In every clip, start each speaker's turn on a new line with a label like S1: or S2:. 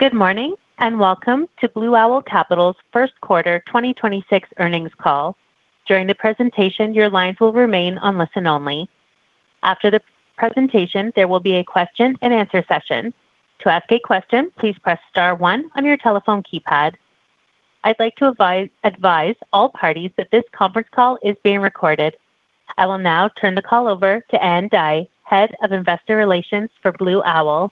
S1: Good morning, and welcome to Blue Owl Capital's First Quarter 2026 Earnings Call. During the presentation, your lines will remain on listen only. After the presentation, there will be a question and answer session. To ask a question, please press star one on your telephone keypad. I'd like to advise all parties that this conference call is being recorded. I will now turn the call over to Ann Dai, Head of Investor Relations for Blue Owl.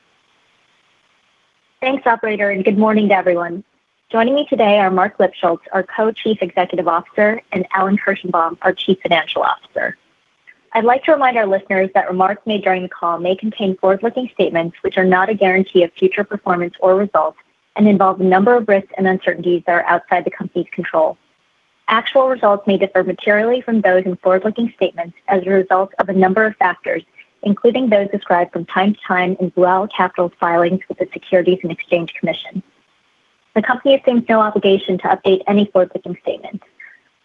S2: Thanks, operator, and good morning to everyone. Joining me today are Marc Lipschultz, our Co-Chief Executive Officer, and Alan Kirshenbaum, our Chief Financial Officer. I'd like to remind our listeners that remarks made during the call may contain forward-looking statements, which are not a guarantee of future performance or results and involve a number of risks and uncertainties that are outside the company's control. Actual results may differ materially from those in forward-looking statements as a result of a number of factors, including those described from time to time in Blue Owl Capital's filings with the Securities and Exchange Commission. The company assumes no obligation to update any forward-looking statements.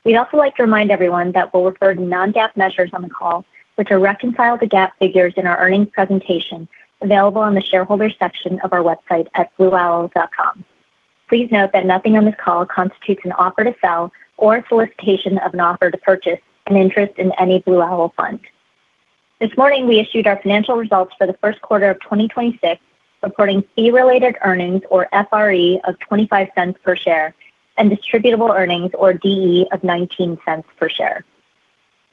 S2: We'd also like to remind everyone that we'll refer to non-GAAP measures on the call, which are reconciled to GAAP figures in our earnings presentation available on the shareholder section of our website at blueowl.com. Please note that nothing on this call constitutes an offer to sell or a solicitation of an offer to purchase an interest in any Blue Owl fund. This morning, we issued our financial results for the first quarter of 2026, reporting fee-related earnings or FRE of $0.25 per share and distributable earnings or DE of $0.19 per share.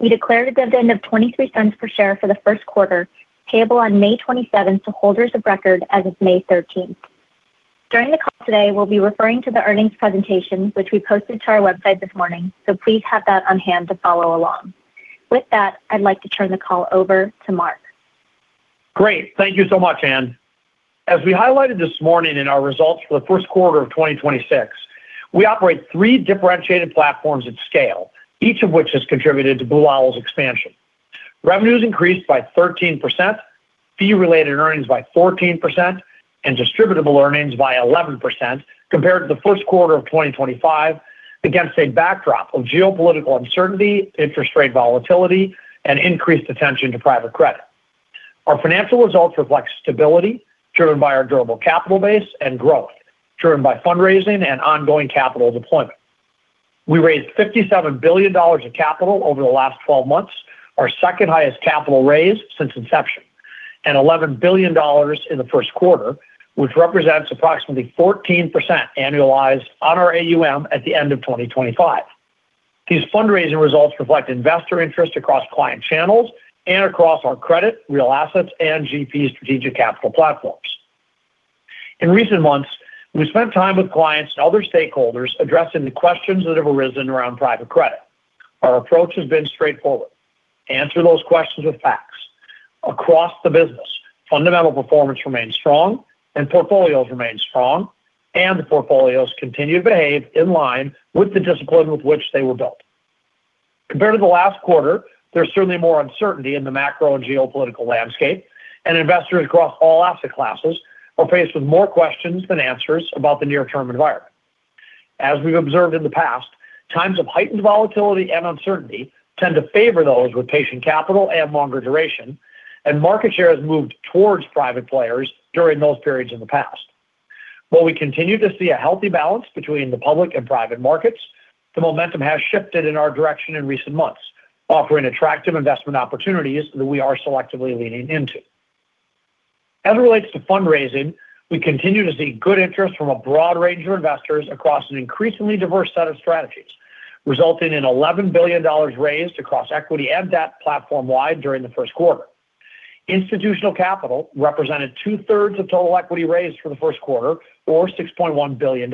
S2: We declared a dividend of $0.23 per share for the first quarter, payable on May 27th to holders of record as of May 13th. During the call today, we'll be referring to the earnings presentation, which we posted to our website this morning. Please have that on hand to follow along. With that, I'd like to turn the call over to Marc.
S3: Great. Thank you so much, Ann. As we highlighted this morning in our results for the first quarter of 2026, we operate three differentiated platforms at scale, each of which has contributed to Blue Owl's expansion. Revenues increased by 13%, fee-related earnings by 14%, and distributable earnings by 11% compared to the first quarter of 2025 against a backdrop of geopolitical uncertainty, interest rate volatility, and increased attention to private credit. Our financial results reflect stability driven by our durable capital base and growth driven by fundraising and ongoing capital deployment. We raised $57 billion of capital over the last 12 months, our second-highest capital raised since inception, and $11 billion in the first quarter, which represents approximately 14% annualized on our AUM at the end of 2025. These fundraising results reflect investor interest across client channels and across our credit, real assets, and GP Strategic Capital platforms. In recent months, we spent time with clients and other stakeholders addressing the questions that have arisen around private credit. Our approach has been straightforward, answer those questions with facts. Across the business, fundamental performance remains strong and portfolios remain strong, continue to behave in line with the discipline with which they were built. Compared to the last quarter, there's certainly more uncertainty in the macro and geopolitical landscape, and investors across all asset classes are faced with more questions than answers about the near-term environment. As we've observed in the past, times of heightened volatility and uncertainty tend to favor those with patient capital and longer duration, and market share has moved towards private players during those periods in the past. While we continue to see a healthy balance between the public and private markets, the momentum has shifted in our direction in recent months, offering attractive investment opportunities that we are selectively leaning into. As it relates to fundraising, we continue to see good interest from a broad range of investors across an increasingly diverse set of strategies, resulting in $11 billion raised across equity and debt platform-wide during the first quarter. Institutional capital represented two-thirds of total equity raised for the first quarter or $6.1 billion.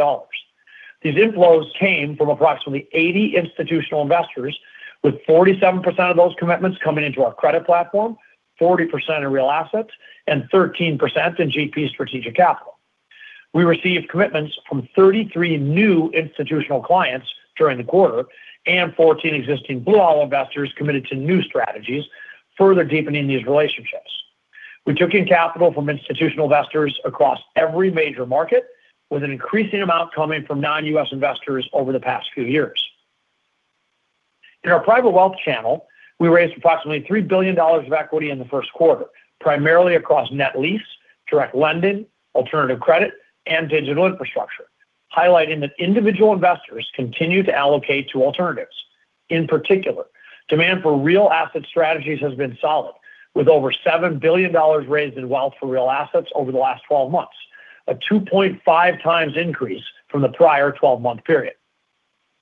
S3: These inflows came from approximately 80 institutional investors, with 47% of those commitments coming into our credit platform, 40% in real assets, and 13% in GP Strategic Capital. We received commitments from 33 new institutional clients during the quarter and 14 existing Blue Owl investors committed to new strategies, further deepening these relationships. We took in capital from institutional investors across every major market, with an increasing amount coming from non-U.S. investors over the past few years. In our private wealth channel, we raised approximately $3 billion of equity in the first quarter, primarily across net lease, direct lending, alternative credit, and digital infrastructure, highlighting that individual investors continue to allocate to alternatives. In particular, demand for real asset strategies has been solid, with over $7 billion raised in wealth for real assets over the last 12 months, a 2.5 times increase from the prior 12-month period.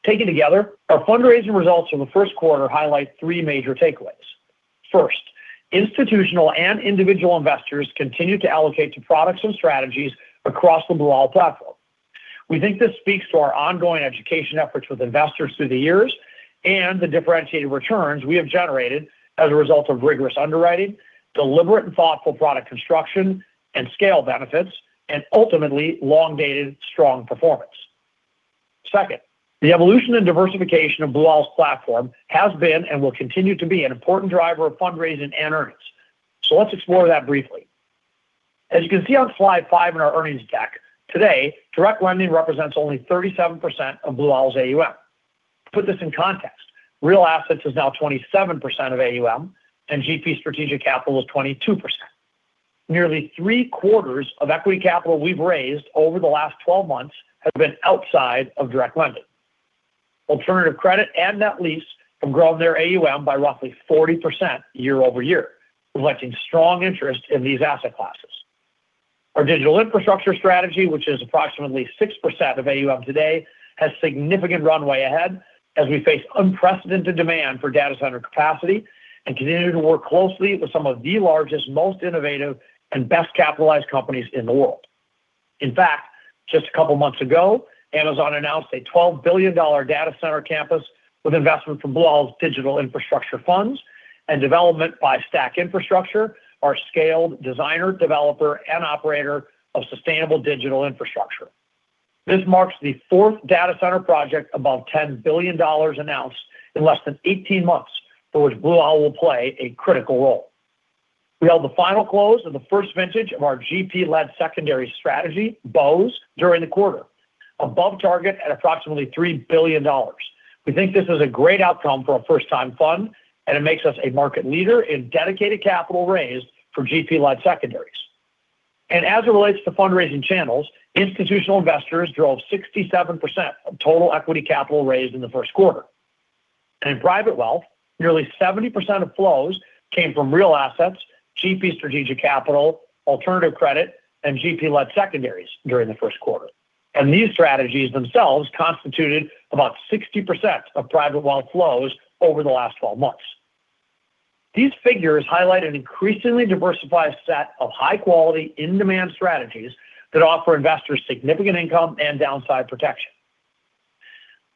S3: Taken together, our fundraising results from the first quarter highlight three major takeaways. First, institutional and individual investors continue to allocate to products and strategies across the Blue Owl platform. We think this speaks to our ongoing education efforts with investors through the years and the differentiated returns we have generated as a result of rigorous underwriting, deliberate and thoughtful product construction and scale benefits, and ultimately long-dated strong performance. Second, the evolution and diversification of Blue Owl's platform has been and will continue to be an important driver of fundraising and earnings. Let's explore that briefly. As you can see on slide five in our earnings deck, today, direct lending represents only 37% of Blue Owl's AUM. Put this in context. Real assets is now 27% of AUM, and GP Strategic Capital is 22%. Nearly three-quarters of equity capital we've raised over the last 12 months has been outside of direct lending. Alternative credit and net lease have grown their AUM by roughly 40% YoY, reflecting strong interest in these asset classes. Our digital infrastructure strategy, which is approximately 6% of AUM today, has significant runway ahead as we face unprecedented demand for data center capacity and continue to work closely with some of the largest, most innovative, and best-capitalized companies in the world. In fact, just a couple of months ago, Amazon announced a $12 billion data center campus with investment from Blue Owl's digital infrastructure funds and development by STACK Infrastructure, our scaled designer, developer, and operator of sustainable digital infrastructure. This marks the fourth data center project above $10 billion announced in less than 18 months, for which Blue Owl will play a critical role. We held the final close of the first vintage of our GP Strategic Capital strategy, BOSE, during the quarter, above target at approximately $3 billion. We think this is a great outcome for a first-time fund, it makes us a market leader in dedicated capital raised for GP-led secondaries. As it relates to fundraising channels, institutional investors drove 67% of total equity capital raised in the first quarter. In private wealth, nearly 70% of flows came from real assets, GP Strategic Capital, alternative credit, and GP-led secondaries during the first quarter. These strategies themselves constituted about 60% of private wealth flows over the last 12 months. These figures highlight an increasingly diversified set of high-quality, in-demand strategies that offer investors significant income and downside protection.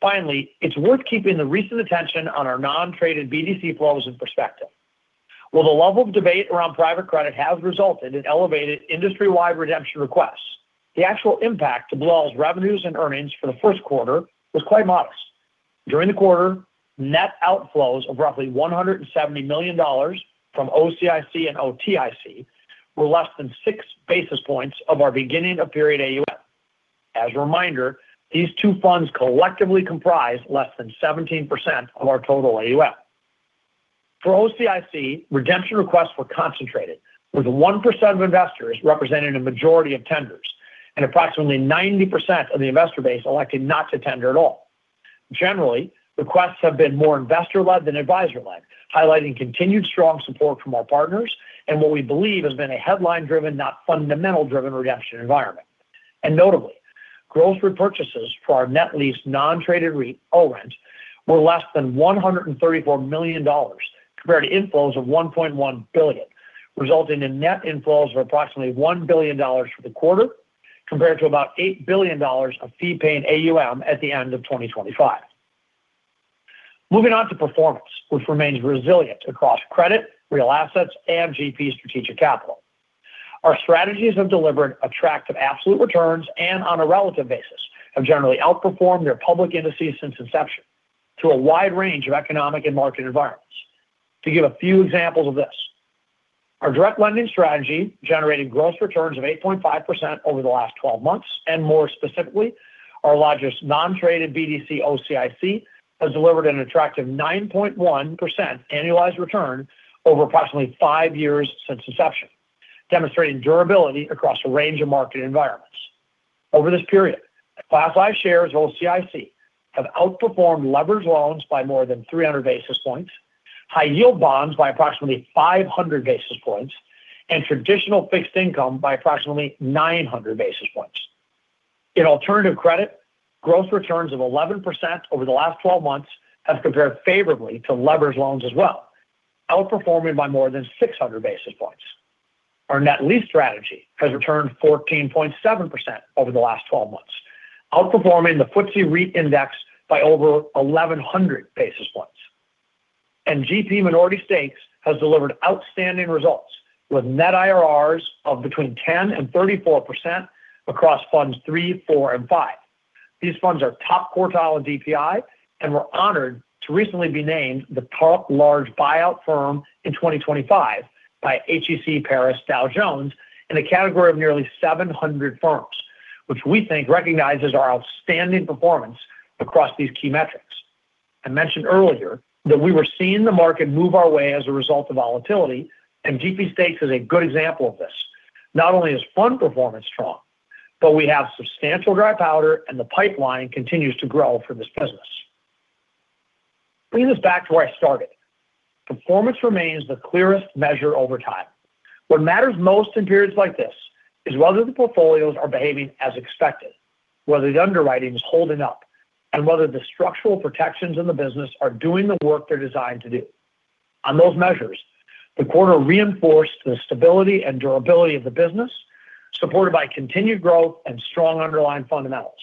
S3: Finally, it's worth keeping the recent attention on our non-traded BDC flows in perspective. While the level of debate around private credit has resulted in elevated industry-wide redemption requests, the actual impact to Blue Owl's revenues and earnings for the first quarter was quite modest. During the quarter, net outflows of roughly $170 million from OCIC and OTIC were less than 6 basis points of our beginning-of-period AUM. As a reminder, these two funds collectively comprise less than 17% of our total AUM. For OCIC, redemption requests were concentrated, with 1% of investors representing a majority of tenders, and approximately 90% of the investor base electing not to tender at all. Generally, requests have been more investor-led than advisor-led, highlighting continued strong support from our partners and what we believe has been a headline-driven, not fundamental-driven, redemption environment. Notably, gross repurchases for our net leased non-traded REIT, ORENT, were less than $134 million compared to inflows of $1.1 billion, resulting in net inflows of approximately $1 billion for the quarter compared to about $8 billion of fee-paying AUM at the end of 2025. Moving on to performance, which remains resilient across credit, real assets, and GP Strategic Capital. Our strategies have delivered attractive absolute returns and, on a relative basis, have generally outperformed their public indices since inception to a wide range of economic and market environments. To give a few examples of this, our direct lending strategy generated gross returns of 8.5% over the last 12 months, and more specifically, our largest non-traded BDC OCIC has delivered an attractive 9.1% annualized return over approximately five years since inception, demonstrating durability across a range of market environments. Over this period, Class S shares of OCIC have outperformed leveraged loans by more than 300 basis points, high-yield bonds by approximately 500 basis points, and traditional fixed income by approximately 900 basis points. In alternative credit, gross returns of 11% over the last 12 months have compared favorably to leveraged loans as well, outperforming by more than 600 basis points. Our net lease strategy has returned 14.7% over the last 12 months, outperforming the FTSE REIT index by over 1,100 basis points. GP Minority Stakes has delivered outstanding results, with net IRRs of between 10% and 34% across funds three, four, and five. These funds are top quartile in DPI, and we're honored to recently be named the top large buyout firm in 2025 by HEC-Dow Jones in a category of nearly 700 firms, which we think recognizes our outstanding performance across these key metrics. I mentioned earlier that we were seeing the market move our way as a result of volatility, and GP Stakes is a good example of this. Not only is fund performance strong, but we have substantial dry powder, and the pipeline continues to grow for this business. Bringing us back to where I started, performance remains the clearest measure over time. What matters most in periods like this is whether the portfolios are behaving as expected, whether the underwriting is holding up, and whether the structural protections in the business are doing the work they're designed to do. On those measures, the quarter reinforced the stability and durability of the business, supported by continued growth and strong underlying fundamentals.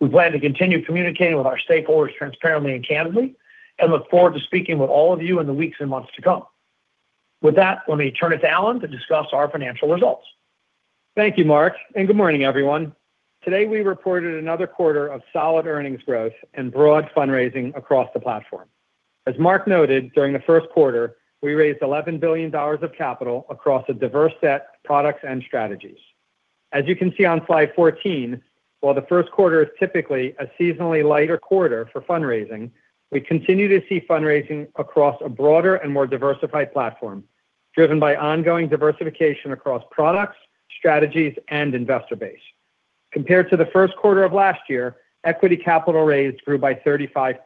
S3: We plan to continue communicating with our stakeholders transparently and candidly and look forward to speaking with all of you in the weeks and months to come. With that, let me turn it to Alan to discuss our financial results.
S4: Thank you, Marc, and good morning, everyone. Today, we reported another quarter of solid earnings growth and broad fundraising across the platform. As Marc noted, during the first quarter, we raised $11 billion of capital across a diverse set of products and strategies. As you can see on slide 14, while the first quarter is typically a seasonally lighter quarter for fundraising, we continue to see fundraising across a broader and more diversified platform, driven by ongoing diversification across products, strategies, and investor base. Compared to the first quarter of last year, equity capital raised grew by 35%.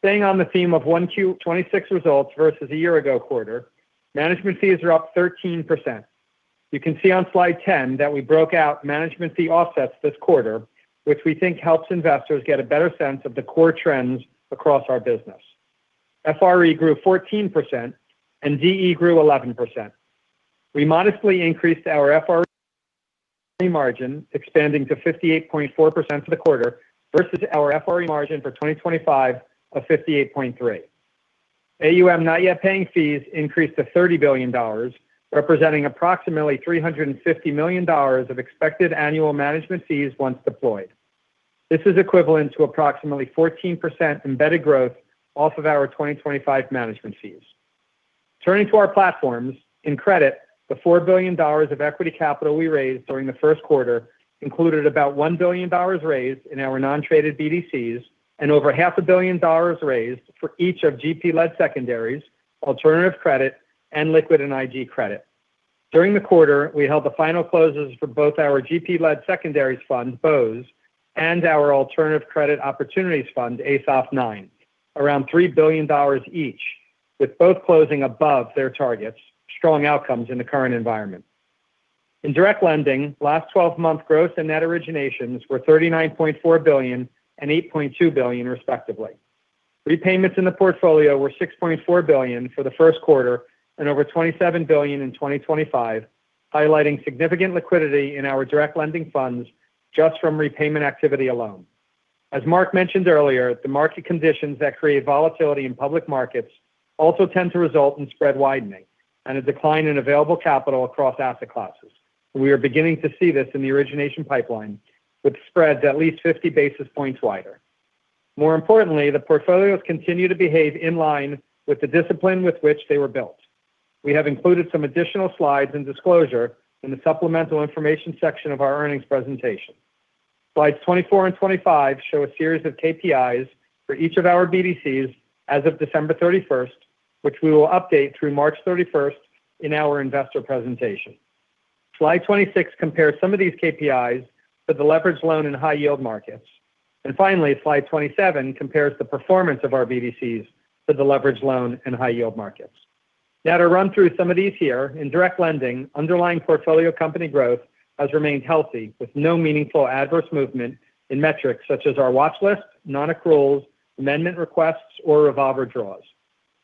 S4: Staying on the theme of 1Q 26 results versus a year ago quarter, management fees are up 13%. You can see on slide 10 that we broke out management fee offsets this quarter, which we think helps investors get a better sense of the core trends across our business. FRE grew 14% and DE grew 11%. We modestly increased our FRE margin, expanding to 58.4% for the quarter versus our FRE margin for 2025 of 58.3%. AUM not yet paying fees increased to $30 billion, representing approximately $350 million of expected annual management fees once deployed. This is equivalent to approximately 14% embedded growth off of our 2025 management fees. Turning to our platforms, in credit, the $4 billion of equity capital we raised during the first quarter included about $1 billion raised in our non-traded BDCs, and over half a billion dollars raised for each of GP-led Secondaries, Alternative Credit, and Liquid and IG credit. During the quarter, we held the final closes for both our GP-led secondaries fund, BOSE, and our alternative credit opportunities fund, ASOF IX, around $3 billion each, with both closing above their targets, strong outcomes in the current environment. In direct lending, last twelve month gross and net originations were $39.4 billion and $8.2 billion, respectively. Repayments in the portfolio were $6.4 billion for the first quarter and over $27 billion in 2025, highlighting significant liquidity in our direct lending funds just from repayment activity alone. As Marc mentioned earlier, the market conditions that create volatility in public markets also tend to result in spread widening and a decline in available capital across asset classes. We are beginning to see this in the origination pipeline, with spreads at least 50 basis points wider. More importantly, the portfolios continue to behave in line with the discipline with which they were built. We have included some additional slides and disclosure in the supplemental information section of our earnings presentation. Slides 24 and 25 show a series of KPIs for each of our BDCs as of December 31st, which we will update through March 31st in our investor presentation. Slide 26 compares some of these KPIs to the leveraged loan in high yield markets. Finally, slide 27 compares the performance of our BDCs to the leveraged loan in high yield markets. Now to run through some of these here, in direct lending, underlying portfolio company growth has remained healthy, with no meaningful adverse movement in metrics such as our watch list, non-accruals, amendment requests, or revolver draws.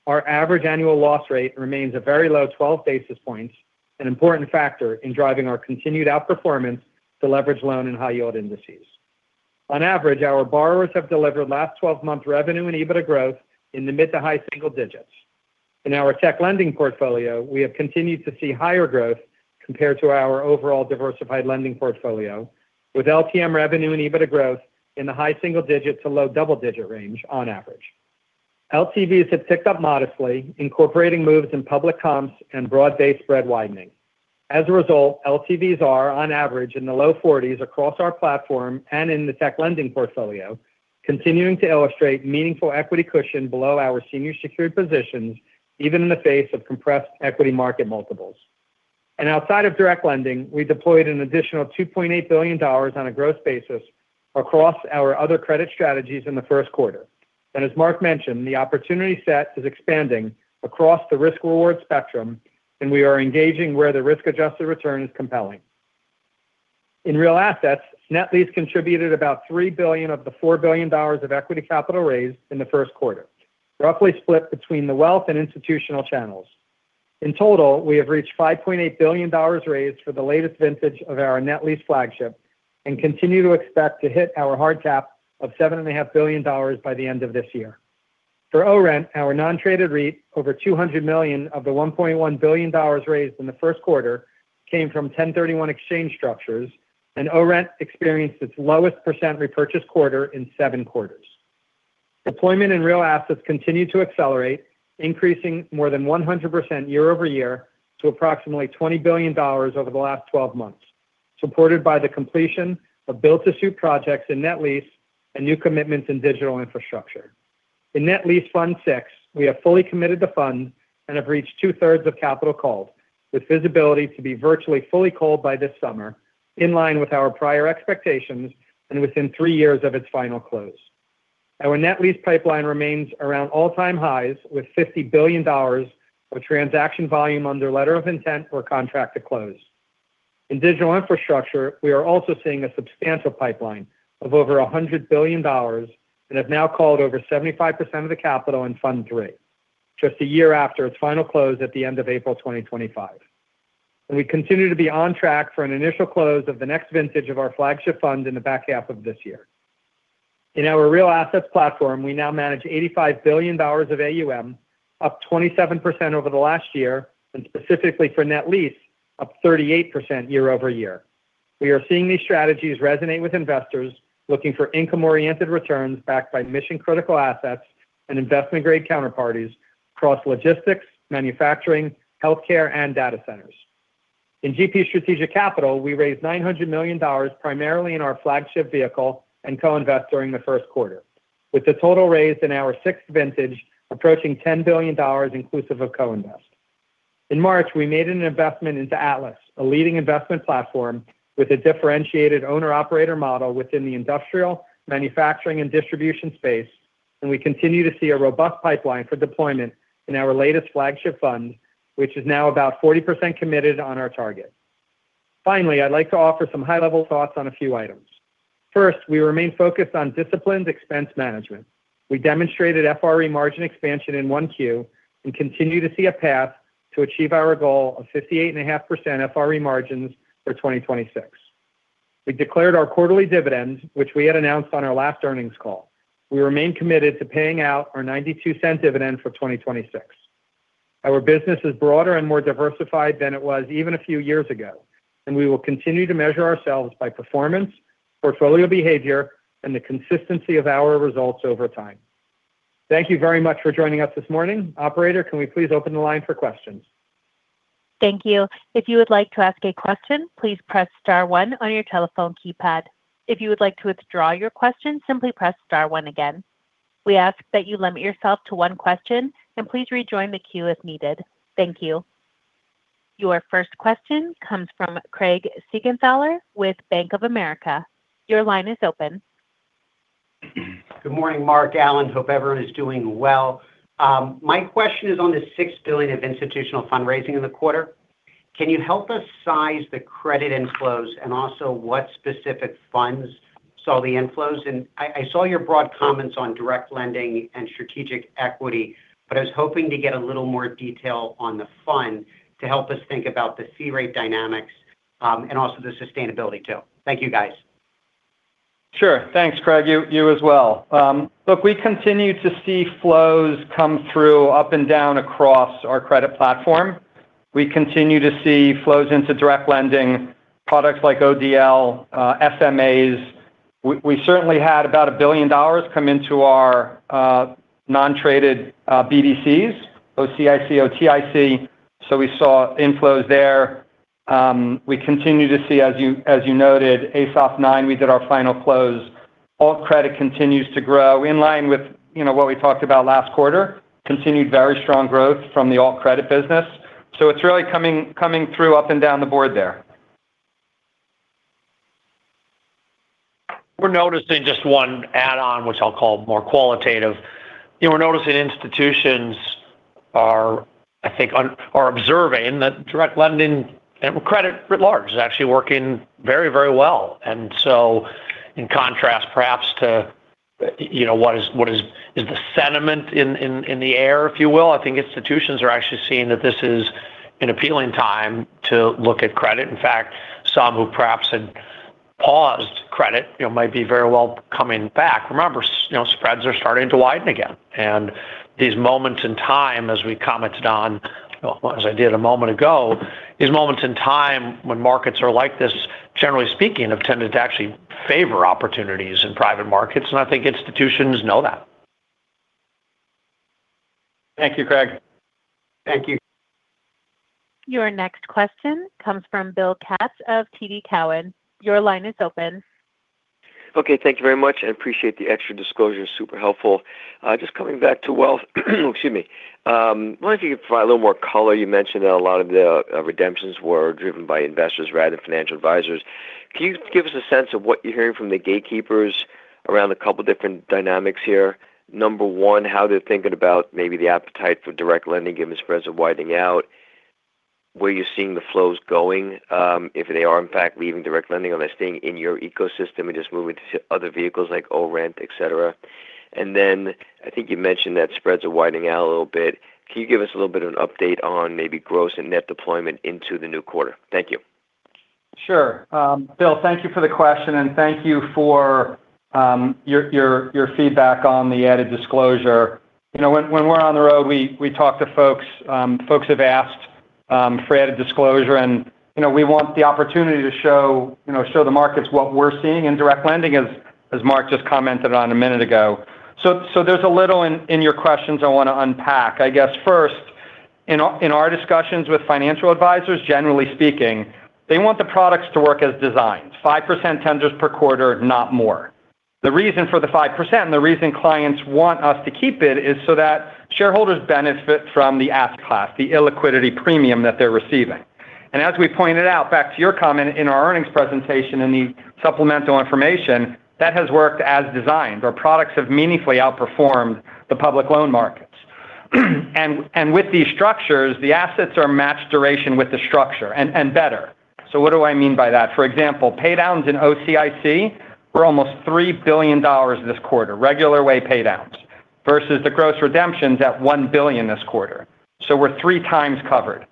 S4: Our average annual loss rate remains a very low 12 basis points, an important factor in driving our continued outperformance to leverage loan and high yield indices. On average, our borrowers have delivered last 12-month revenue and EBITDA growth in the mid to high single digits. In our tech lending portfolio, we have continued to see higher growth compared to our overall diversified lending portfolio, with LTM revenue and EBITDA growth in the high single digit to low double-digit range on average. As a result, LTVs have ticked up modestly, incorporating moves in public comps and broad-based spread widening. LTVs are on average in the low 40s across our platform and in the tech lending portfolio, continuing to illustrate meaningful equity cushion below our senior secured positions, even in the face of compressed equity market multiples. Outside of direct lending, we deployed an additional $2.8 billion on a gross basis across our other credit strategies in the first quarter. As Marc mentioned, the opportunity set is expanding across the risk-reward spectrum, and we are engaging where the risk-adjusted return is compelling. In real assets, Net Lease contributed about $3 billion of the $4 billion of equity capital raised in the first quarter, roughly split between the wealth and institutional channels. In total, we have reached $5.8 billion raised for the latest vintage of our Net Lease flagship and continue to expect to hit our hard cap of $7.5 billion by the end of this year. For ORENT, our non-traded REIT, over $200 million of the $1.1 billion raised in the first quarter came from 1031 exchange structures, and ORENT experienced its lowest % repurchase quarter in seven quarters. Deployment in real assets continued to accelerate, increasing more than 100% YoY to approximately $20 billion over the last 12 months, supported by the completion of built-to-suit projects in net lease and new commitments in digital infrastructure. In Net Lease Fund VI, we have fully committed the fund and have reached two-thirds of capital called, with visibility to be virtually fully called by this summer, in line with our prior expectations and within three years of its final close. Our net lease pipeline remains around all-time highs, with $50 billion of transaction volume under letter of intent or contract to close. In digital infrastructure, we are also seeing a substantial pipeline of over $100 billion and have now called over 75% of the capital in Fund three, just a year after its final close at the end of April 2025. We continue to be on track for an initial close of the next vintage of our flagship fund in the back half of this year. In our real assets platform, we now manage $85 billion of AUM, up 27% over the last year, and specifically for Net Lease, up 38% YoY. We are seeing these strategies resonate with investors looking for income-oriented returns backed by mission-critical assets and investment-grade counterparties across logistics, manufacturing, healthcare, and data centers. In GP Strategic Capital, we raised $900 million, primarily in our flagship vehicle and co-invest during the first quarter. With the total raised in our sixth vintage, approaching $10 billion inclusive of co-invest. In March, we made an investment into Atlas, a leading investment platform with a differentiated owner/operator model within the industrial, manufacturing, and distribution space. We continue to see a robust pipeline for deployment in our latest flagship fund, which is now about 40% committed on our target. Finally, I'd like to offer some high-level thoughts on a few items. First, we remain focused on disciplined expense management. We demonstrated FRE margin expansion in 1Q and continue to see a path to achieve our goal of 58.5% FRE margins for 2026. We declared our quarterly dividends, which we had announced on our last earnings call. We remain committed to paying out our $0.92 dividend for 2026. Our business is broader and more diversified than it was even a few years ago, and we will continue to measure ourselves by performance, portfolio behavior, and the consistency of our results over time. Thank you very much for joining us this morning. Operator, can we please open the line for questions?
S1: Thank you. If you would like to ask a question, please press star one on your telephone keypad. If you would like to withdraw your question, simply press star one again. We ask that you limit yourself to one question and please rejoin the queue if needed. Thank you. Your first question comes from Craig Siegenthaler with Bank of America. Your line is open.
S5: Good morning, Marc, Alan. Hope everyone is doing well. My question is on the $6 billion of institutional fundraising in the quarter. Can you help us size the credit inflows and also what specific funds saw the inflows? I saw your broad comments on direct lending and strategic equity, but I was hoping to get a little more detail on the fund to help us think about the fee rate dynamics and also the sustainability too. Thank you, guys.
S4: Sure. Thanks, Craig. You as well. Look, we continue to see flows come through up and down across our credit platform. We continue to see flows into direct lending products like ODL, SMAs. We certainly had about $1 billion come into our non-traded BDCs, OCIC, OTIC. We saw inflows there. We continue to see as you noted, ASOF IX, we did our final close. Alt credit continues to grow in line with, you know, what we talked about last quarter. Continued very strong growth from the Alt credit business. It's really coming through up and down the board there.
S3: We're noticing just one add on, which I'll call more qualitative. You know, we're noticing institutions are, I think, observing that direct lending and credit writ large is actually working very, very well. In contrast perhaps to, you know, what is the sentiment in the air, if you will. I think institutions are actually seeing that this is an appealing time to look at credit. In fact, some who perhaps had paused credit, you know, might be very well coming back. Remember, you know, spreads are starting to widen again. These moments in time, as we commented on, as I did a moment ago, these moments in time when markets are like this, generally speaking, have tended to actually favor opportunities in private markets, and I think institutions know that.
S4: Thank you, Craig.
S5: Thank you.
S1: Your next question comes from Bill Katz of TD Cowen. Your line is open.
S6: Okay. Thank you very much. I appreciate the extra disclosure. Super helpful. Just coming back to wealth. Excuse me. Wondering if you could provide a little more color. You mentioned that a lot of the redemptions were driven by investors rather than financial advisors. Can you give us a sense of what you're hearing from the gatekeepers around a couple different dynamics here? Number one, how they're thinking about maybe the appetite for direct lending given spreads are widening out. Where are you seeing the flows going if they are in fact leaving direct lending? Are they staying in your ecosystem and just moving to other vehicles like ORENT, et cetera? I think you mentioned that spreads are widening out a little bit. Can you give us a little bit of an update on maybe gross and net deployment into the new quarter? Thank you.
S4: Sure. Bill, thank you for the question, and thank you for your feedback on the added disclosure. You know, when we're on the road, we talk to folks. Folks have asked for added disclosure and, you know, we want the opportunity to show, you know, show the markets what we're seeing in direct lending as Marc just commented on a minute ago. There's a little in your questions I want to unpack. I guess first, in our discussions with financial advisors, generally speaking, they want the products to work as designed, 5% tenders per quarter, not more. The reason for the 5%, and the reason clients want us to keep it, is so that shareholders benefit from the ask class, the illiquidity premium that they're receiving. As we pointed out, back to your comment in our earnings presentation and the supplemental information, that has worked as designed. Our products have meaningfully outperformed the public loan markets. With these structures, the assets are matched duration with the structure and better. What do I mean by that? For example, pay downs in OCIC were almost $3 billion this quarter, regular way pay downs, versus the gross redemptions at $1 billion this quarter. We're three times covered.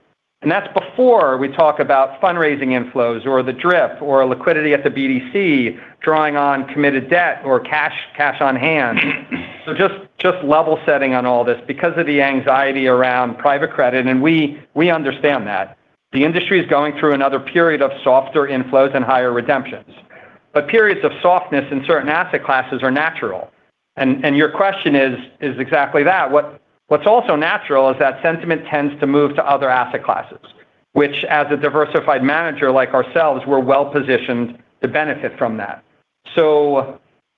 S4: That's before we talk about fundraising inflows or the DRIP or liquidity at the BDC, drawing on committed debt or cash on hand. Just level setting on all this because of the anxiety around private credit, and we understand that. The industry is going through another period of softer inflows and higher redemptions. But periods of softness in certain asset classes are natural. Your question is exactly that. What's also natural is that sentiment tends to move to other asset classes, which as a diversified manager like ourselves, we're well-positioned to benefit from that.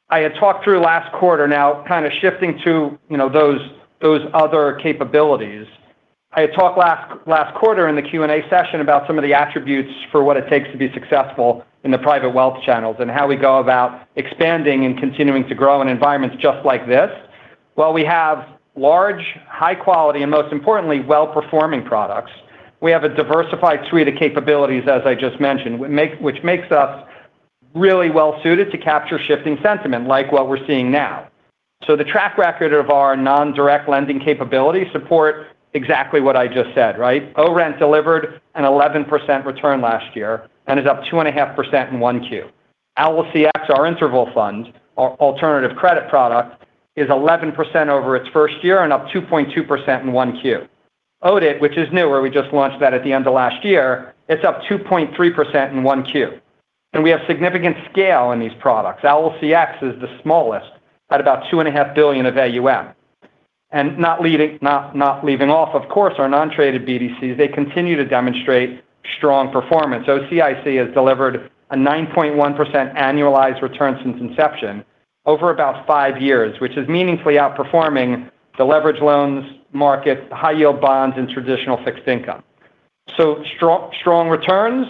S4: I had talked through last quarter now kind of shifting to, you know, those other capabilities. I had talked last quarter in the Q&A session about some of the attributes for what it takes to be successful in the private wealth channels and how we go about expanding and continuing to grow in environments just like this. While we have large, high quality, and most importantly, well-performing products, we have a diversified suite of capabilities, as I just mentioned, which makes us really well suited to capture shifting sentiment like what we're seeing now. The track record of our non-direct lending capabilities support exactly what I just said, right? ORENT delivered an 11% return last year and is up 2.5% in 1Q. OWLCX, our interval fund, our alternative credit product, is 11% over its first year and up 2.2% in 1Q. ODIT, which is new, where we just launched that at the end of last year, it's up 2.3% in 1Q. We have significant scale in these products. OWLCX is the smallest at about $2.5 billion of AUM. Not leaving off, of course, our non-traded BDCs, they continue to demonstrate strong performance. OCIC has delivered a 9.1% annualized return since inception over about five years, which is meaningfully outperforming the leverage loans market, high yield bonds, and traditional fixed income. Strong returns,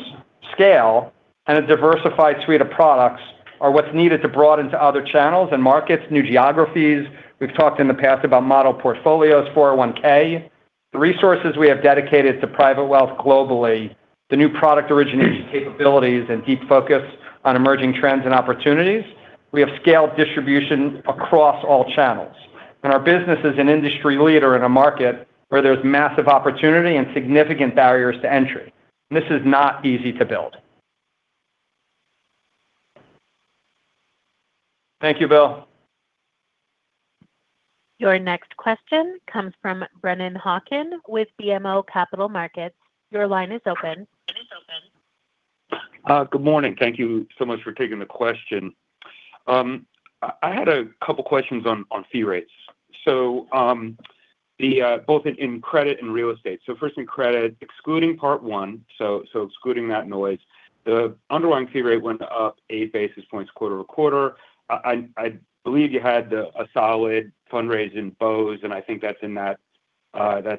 S4: scale, and a diversified suite of products are what's needed to broaden to other channels and markets, new geographies. We've talked in the past about model portfolios, 401(k). The resources we have dedicated to private wealth globally, the new product origination capabilities and deep focus on emerging trends and opportunities. We have scaled distribution across all channels. Our business is an industry leader in a market where there's massive opportunity and significant barriers to entry. This is not easy to build. Thank you, Bill.
S1: Your next question comes from Brennan Hawken with BMO Capital Markets. Your line is open.
S7: Good morning. Thank you so much for taking the question. I had a couple questions on fee rates. The both in credit and real estate. First in credit, excluding Part one, excluding that noise, the underlying fee rate went up 8 basis points QoQ. I believe you had a solid fundraise in BOSE, and I think that's in that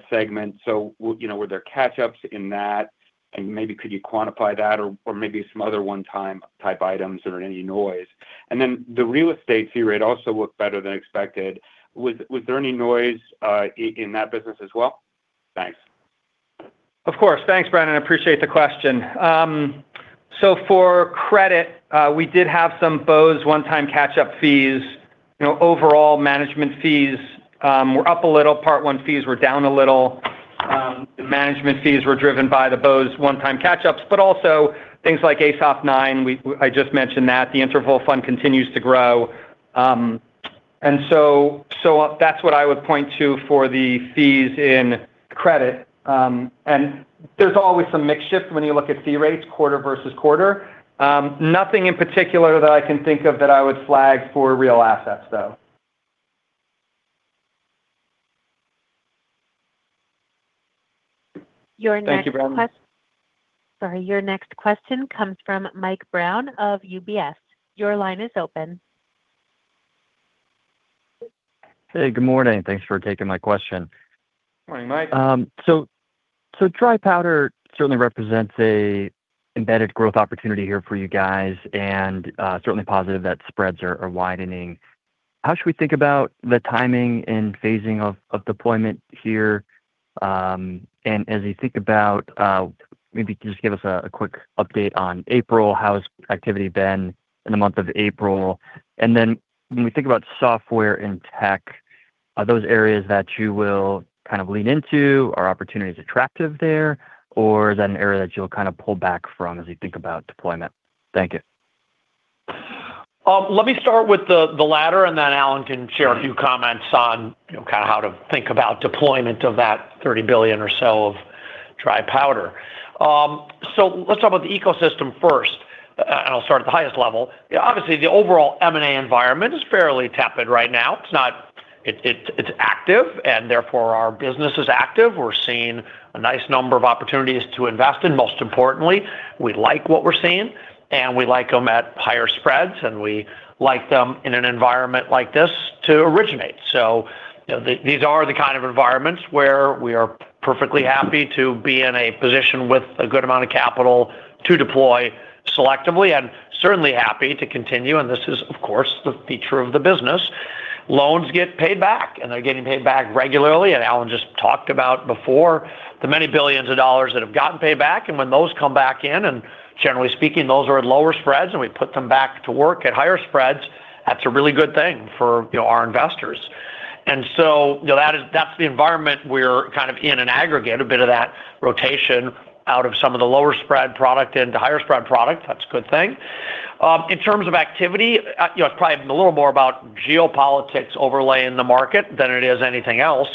S7: segment. You know, were there catch-ups in that? Maybe could you quantify that or maybe some other one-time type items or any noise? The real estate fee rate also looked better than expected. Was there any noise in that business as well? Thanks.
S4: Of course. Thanks, Brennan. Appreciate the question. For credit, we did have some BOSE one-time catch-up fees. You know, overall management fees were up a little. Part one fees were down a little. The management fees were driven by the BOSE one-time catch-ups, also things like ASOF IX. I just mentioned that the interval fund continues to grow. That's what I would point to for the fees in credit. There's always some mix shift when you look at fee rates quarter versus quarter. Nothing in particular that I can think of that I would flag for real assets, though. Thank you, Brennan.
S1: Sorry, your next question comes from Michael Brown of UBS. Your line is open.
S8: Hey, good morning. Thanks for taking my question.
S4: Morning, Mike.
S8: Dry powder certainly represents a embedded growth opportunity here for you guys, and certainly positive that spreads are widening. How should we think about the timing and phasing of deployment here? As you think about, maybe can you just give us a quick update on April. How has activity been in the month of April? Then when we think about software and tech, are those areas that you will kind of lean into? Are opportunities attractive there? Or is that an area that you'll kind of pull back from as you think about deployment? Thank you.
S3: Let me start with the latter, Alan can share a few comments on kind of how to think about deployment of that $30 billion or so of dry powder. Let's talk about the ecosystem first, I'll start at the highest level. Obviously, the overall M&A environment is fairly tepid right now. It's active, our business is active. We're seeing a nice number of opportunities to invest in. Most importantly, we like what we're seeing, we like them at higher spreads, we like them in an environment like this to originate. You know, these are the kind of environments where we are perfectly happy to be in a position with a good amount of capital to deploy selectively, and certainly happy to continue, and this is, of course, the feature of the business. Loans get paid back, and they're getting paid back regularly, and Alan just talked about before the many billions of dollars that have gotten paid back, and when those come back in, and generally speaking, those are at lower spreads, and we put them back to work at higher spreads, that's a really good thing for, you know, our investors. You know, that's the environment we're kind of in aggregate, a bit of that rotation out of some of the lower spread product into higher spread product. That's a good thing. In terms of activity, you know, it's probably a little more about geopolitics overlay in the market than it is anything else.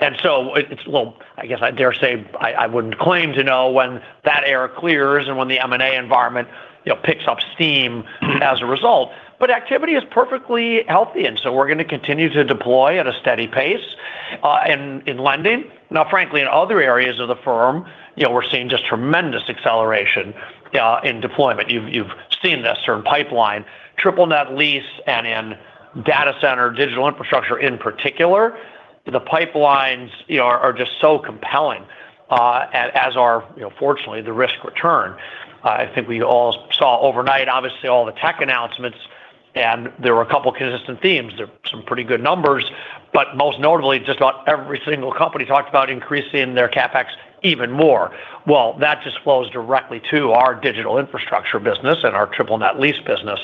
S3: Well, I guess I dare say I wouldn't claim to know when that air clears and when the M&A environment, you know, picks up steam as a result. Activity is perfectly healthy, we're gonna continue to deploy at a steady pace in lending. Now, frankly, in other areas of the firm, you know, we're seeing just tremendous acceleration in deployment. You've seen this in pipeline, triple net lease and in data center, digital infrastructure in particular. The pipelines, you know, are just so compelling as are, you know, fortunately, the risk return. I think we all saw overnight, obviously, all the tech announcements, there were a couple of consistent themes. There were some pretty good numbers, most notably, just about every single company talked about increasing their CapEx even more. That just flows directly to our digital infrastructure business and our triple net lease business.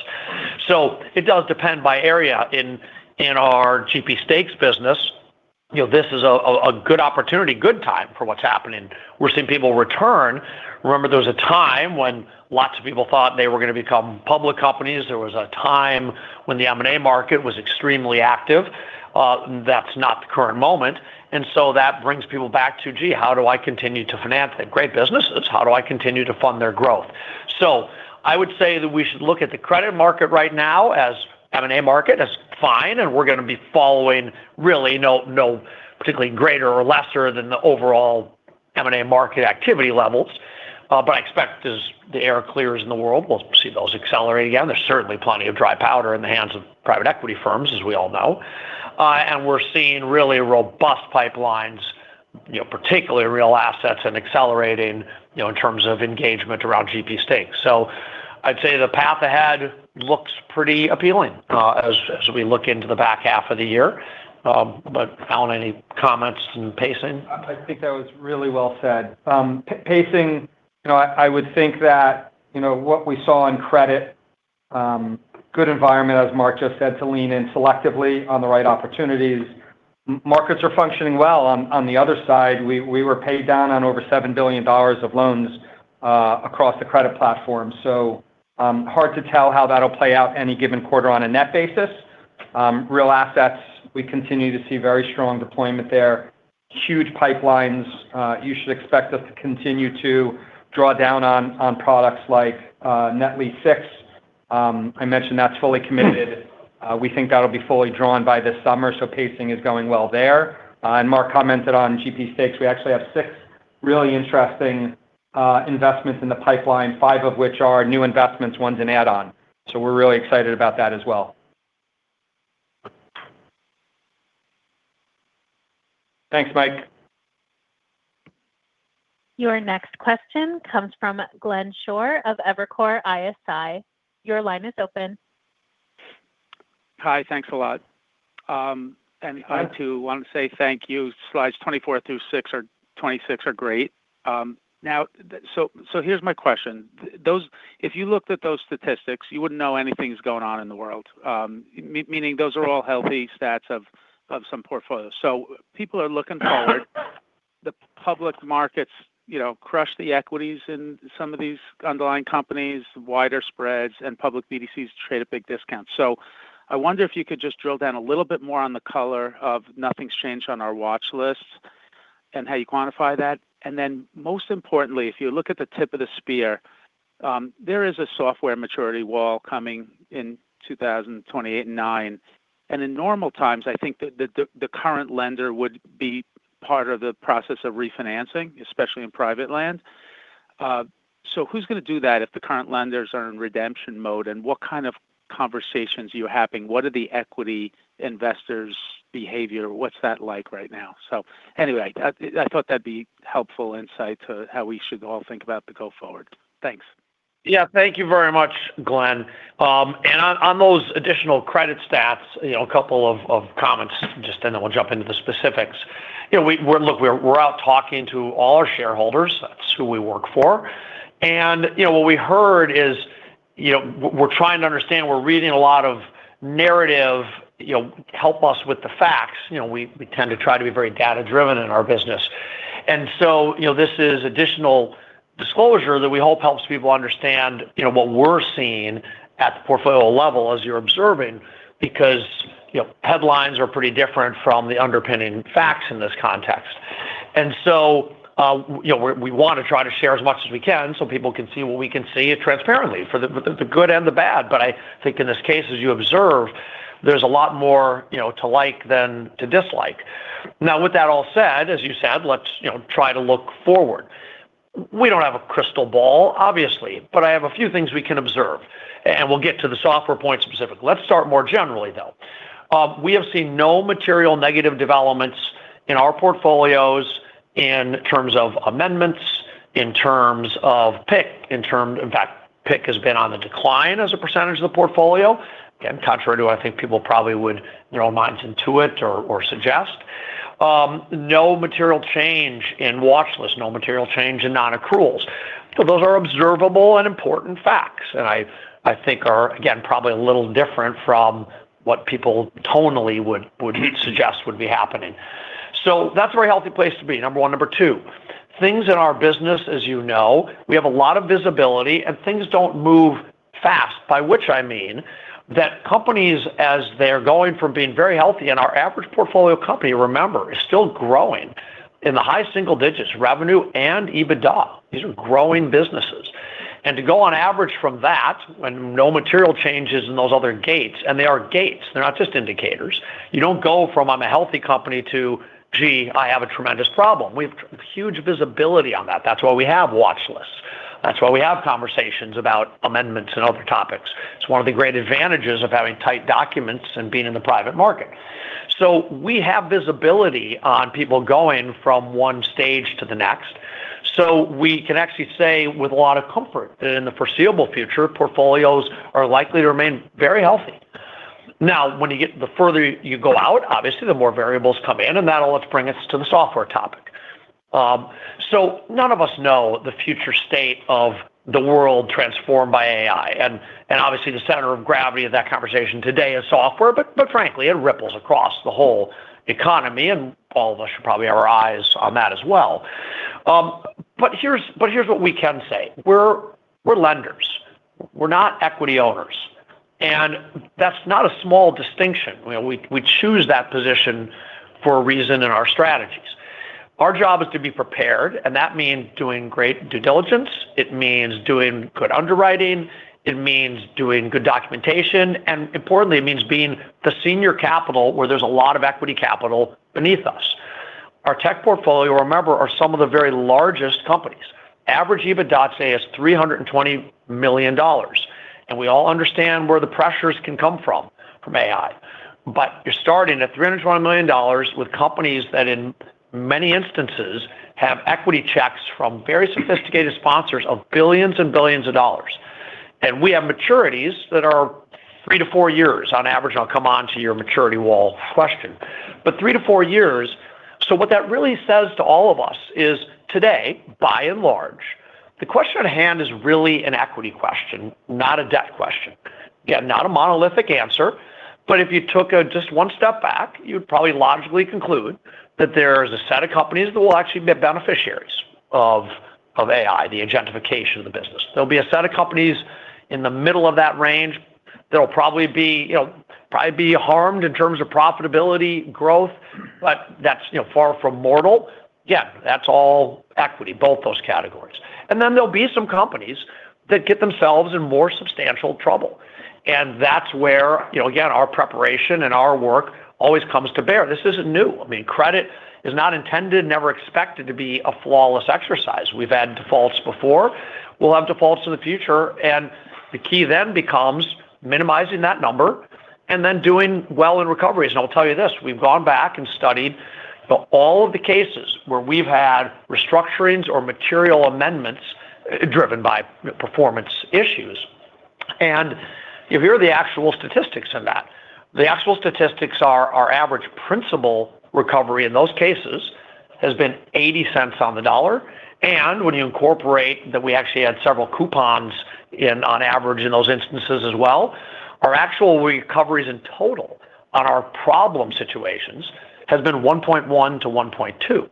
S3: It does depend by area. In our GP stakes business, you know, this is a good opportunity, good time for what's happening. We're seeing people return. Remember, there was a time when lots of people thought they were going to become public companies. There was a time when the M&A market was extremely active. That's not the current moment, that brings people back to, "Gee, how do I continue to finance it?" Great businesses. How do I continue to fund their growth? I would say that we should look at the credit market right now as M&A market as fine, and we're going to be following really no particularly greater or lesser than the overall M&A market activity levels. I expect as the air clears in the world, we'll see those accelerate again. There's certainly plenty of dry powder in the hands of private equity firms, as we all know. We're seeing really robust pipelines, you know, particularly real assets and accelerating, you know, in terms of engagement around GP Stakes. I'd say the path ahead looks pretty appealing, as we look into the back half of the year. Alan, any comments in pacing?
S4: I think that was really well said. Pacing, you know, I would think that, you know, what we saw in credit, good environment, as Marc just said, to lean in selectively on the right opportunities. Markets are functioning well. On the other side, we were paid down on over $7 billion of loans across the credit platform. Hard to tell how that'll play out any given quarter on a net basis. Real assets, we continue to see very strong deployment there. Huge pipelines, you should expect us to continue to draw down on products like Net Lease Fund VI. I mentioned that's fully committed. We think that'll be fully drawn by this summer, so pacing is going well there. Marc commented on GP stakes. We actually have six really interesting investments in the pipeline, five of which are new investments, one's an add-on. We're really excited about that as well.
S3: Thanks, Mike.
S1: Your next question comes from Glenn Schorr of Evercore ISI. Your line is open.
S9: Hi. Thanks a lot. I too want to say thank you. Slides 24 through six or 26 are great. Now, here's my question. If you looked at those statistics, you wouldn't know anything's going on in the world. Meaning those are all healthy stats of some portfolios. People are looking forward. The public markets, you know, crush the equities in some of these underlying companies, wider spreads, and public BDCs trade at big discounts. I wonder if you could just drill down a little bit more on the color of nothing's changed on our watch list and how you quantify that. Then most importantly, if you look at the tip of the spear, there is a software maturity wall coming in 2028 and 2029. In normal times, I think that the current lender would be part of the process of refinancing, especially in private lending. Who's going to do that if the current lenders are in redemption mode? What kind of conversations are you having? What are the equity investors' behavior? What's that like right now? Anyway, I thought that'd be helpful insight to how we should all think about the go forward. Thanks.
S3: Yeah. Thank you very much, Glenn. On those additional credit stats, you know, a couple of comments just then I'll jump into the specifics. You know, look, we're out talking to all our shareholders. That's who we work for. You know, what we heard is, you know, we're trying to understand, we're reading a lot of narrative, you know, help us with the facts. You know, we tend to try to be very data-driven in our business. You know, this is additional disclosure that we hope helps people understand, you know, what we're seeing at the portfolio level as you're observing, because, you know, headlines are pretty different from the underpinning facts in this context. We want to try to share as much as we can so people can see what we can see transparently for the good and the bad. I think in this case, as you observe, there's a lot more, you know, to like than to dislike. Now, with that all said, as you said, let's, you know, try to look forward. We don't have a crystal ball, obviously, but I have a few things we can observe, and we'll get to the software point specifically. Let's start more generally, though. We have seen no material negative developments in our portfolios in terms of amendments, in terms of PIK. In fact, PIK has been on the decline as a percentage of the portfolio. Again, contrary to I think people probably would, you know, minds intuit or suggest. No material change in watchlist, no material change in non-accruals. Those are observable and important facts, and I think are, again, probably a little different from what people tonally would suggest would be happening. That's a very healthy place to be, number one. Number two, things in our business, as you know, we have a lot of visibility, and things don't move fast. By which I mean that companies, as they're going from being very healthy and our average portfolio company, remember, is still growing in the high single digits, revenue and EBITDA. These are growing businesses. To go on average from that when no material changes in those other gates, and they are gates, they're not just indicators. You don't go from, "I'm a healthy company," to, "Gee, I have a tremendous problem." We have huge visibility on that. That's why we have watch lists. That's why we have conversations about amendments and other topics. It's one of the great advantages of having tight documents and being in the private market. We have visibility on people going from one stage to the next. We can actually say with a lot of comfort that in the foreseeable future, portfolios are likely to remain very healthy. The further you go out, obviously, the more variables come in, and that'll bring us to the software topic. None of us know the future state of the world transformed by AI. Obviously, the center of gravity of that conversation today is software, but frankly, it ripples across the whole economy, and all of us should probably have our eyes on that as well. Here's what we can say. We're lenders. We're not equity owners. That's not a small distinction. You know, we choose that position for a reason in our strategies. Our job is to be prepared. That means doing great due diligence. It means doing good underwriting. It means doing good documentation. Importantly, it means being the senior capital where there's a lot of equity capital beneath us. Our tech portfolio, remember, are some of the very largest companies. Average EBITDA, say, is $320 million. We all understand where the pressures can come from AI. You're starting at $320 million with companies that in many instances have equity checks from very sophisticated sponsors of billions of dollars. We have maturities that are three to four years on average. I'll come on to your maturity wall question. But three to four years, what that really says to all of us is today, by and large, the question at hand is really an equity question, not a debt question. Again, not a monolithic answer, if you took just one step back, you'd probably logically conclude that there is a set of companies that will actually be beneficiaries of AI, the agentification of the business. There'll be a set of companies in the middle of that range that'll probably be, you know, probably be harmed in terms of profitability growth, that's, you know, far from mortal. Yeah, that's all equity, both those categories. There'll be some companies that get themselves in more substantial trouble. That's where, you know, again, our preparation and our work always comes to bear. This isn't new. I mean, credit is not intended, never expected to be a flawless exercise. We've had defaults before. We'll have defaults in the future. The key then becomes minimizing that number and then doing well in recoveries. I'll tell you this. We've gone back and studied all of the cases where we've had restructurings or material amendments driven by performance issues, and here are the actual statistics in that. The actual statistics are our average principal recovery in those cases has been $0.80 on the dollar. When you incorporate that we actually had several coupons on average in those instances as well, our actual recoveries in total on our problem situations has been 1.1-1.2.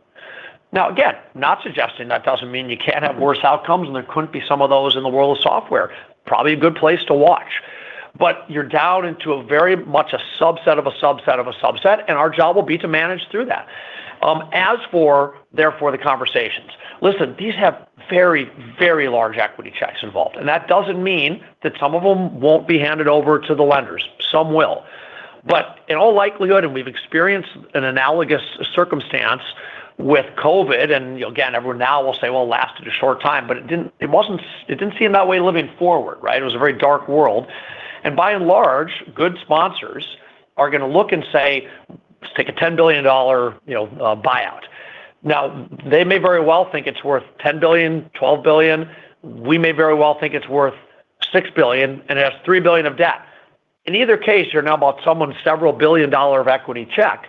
S3: Again, not suggesting that doesn't mean you can't have worse outcomes, and there couldn't be some of those in the world of software. Probably a good place to watch. You're down into a very much a subset of a subset of a subset, and our job will be to manage through that. As for therefore the conversations, listen, these have very, very large equity checks involved, and that doesn't mean that some of them won't be handed over to the lenders. Some will. In all likelihood, and we've experienced an analogous circumstance with COVID, and, you know, again, everyone now will say, "Well, it lasted a short time," but it didn't seem that way living forward, right? It was a very dark world. By and large, good sponsors are gonna look and say, "Let's take a $10 billion, you know, buyout." They may very well think it's worth $10 billion, $12 billion. We may very well think it's worth $6 billion, and it has $3 billion of debt. In either case, you're now about someone several billion dollar of equity check,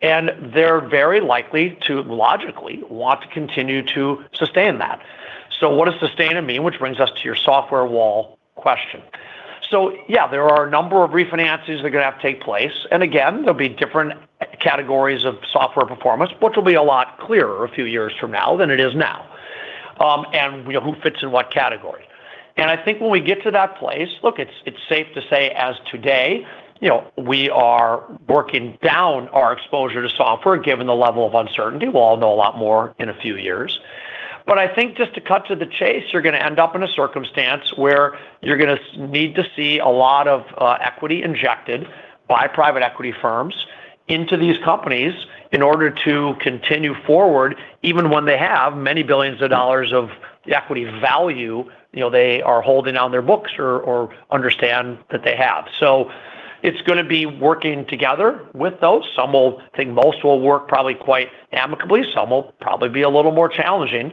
S3: and they're very likely to logically want to continue to sustain that. What does sustain it mean? Which brings us to your software wall question. Yeah, there are a number of refinances that are gonna have to take place. Again, there'll be different categories of software performance, which will be a lot clearer a few years from now than it is now, and who fits in what category. I think when we get to that place, look, it's safe to say as today, you know, we are working down our exposure to software given the level of uncertainty. We'll all know a lot more in a few years. I think just to cut to the chase, you're gonna end up in a circumstance where you're gonna need to see a lot of equity injected by private equity firms into these companies in order to continue forward, even when they have many billions of dollars of the equity value, you know, they are holding on their books or understand that they have. It's gonna be working together with those. I think most will work probably quite amicably. Some will probably be a little more challenging.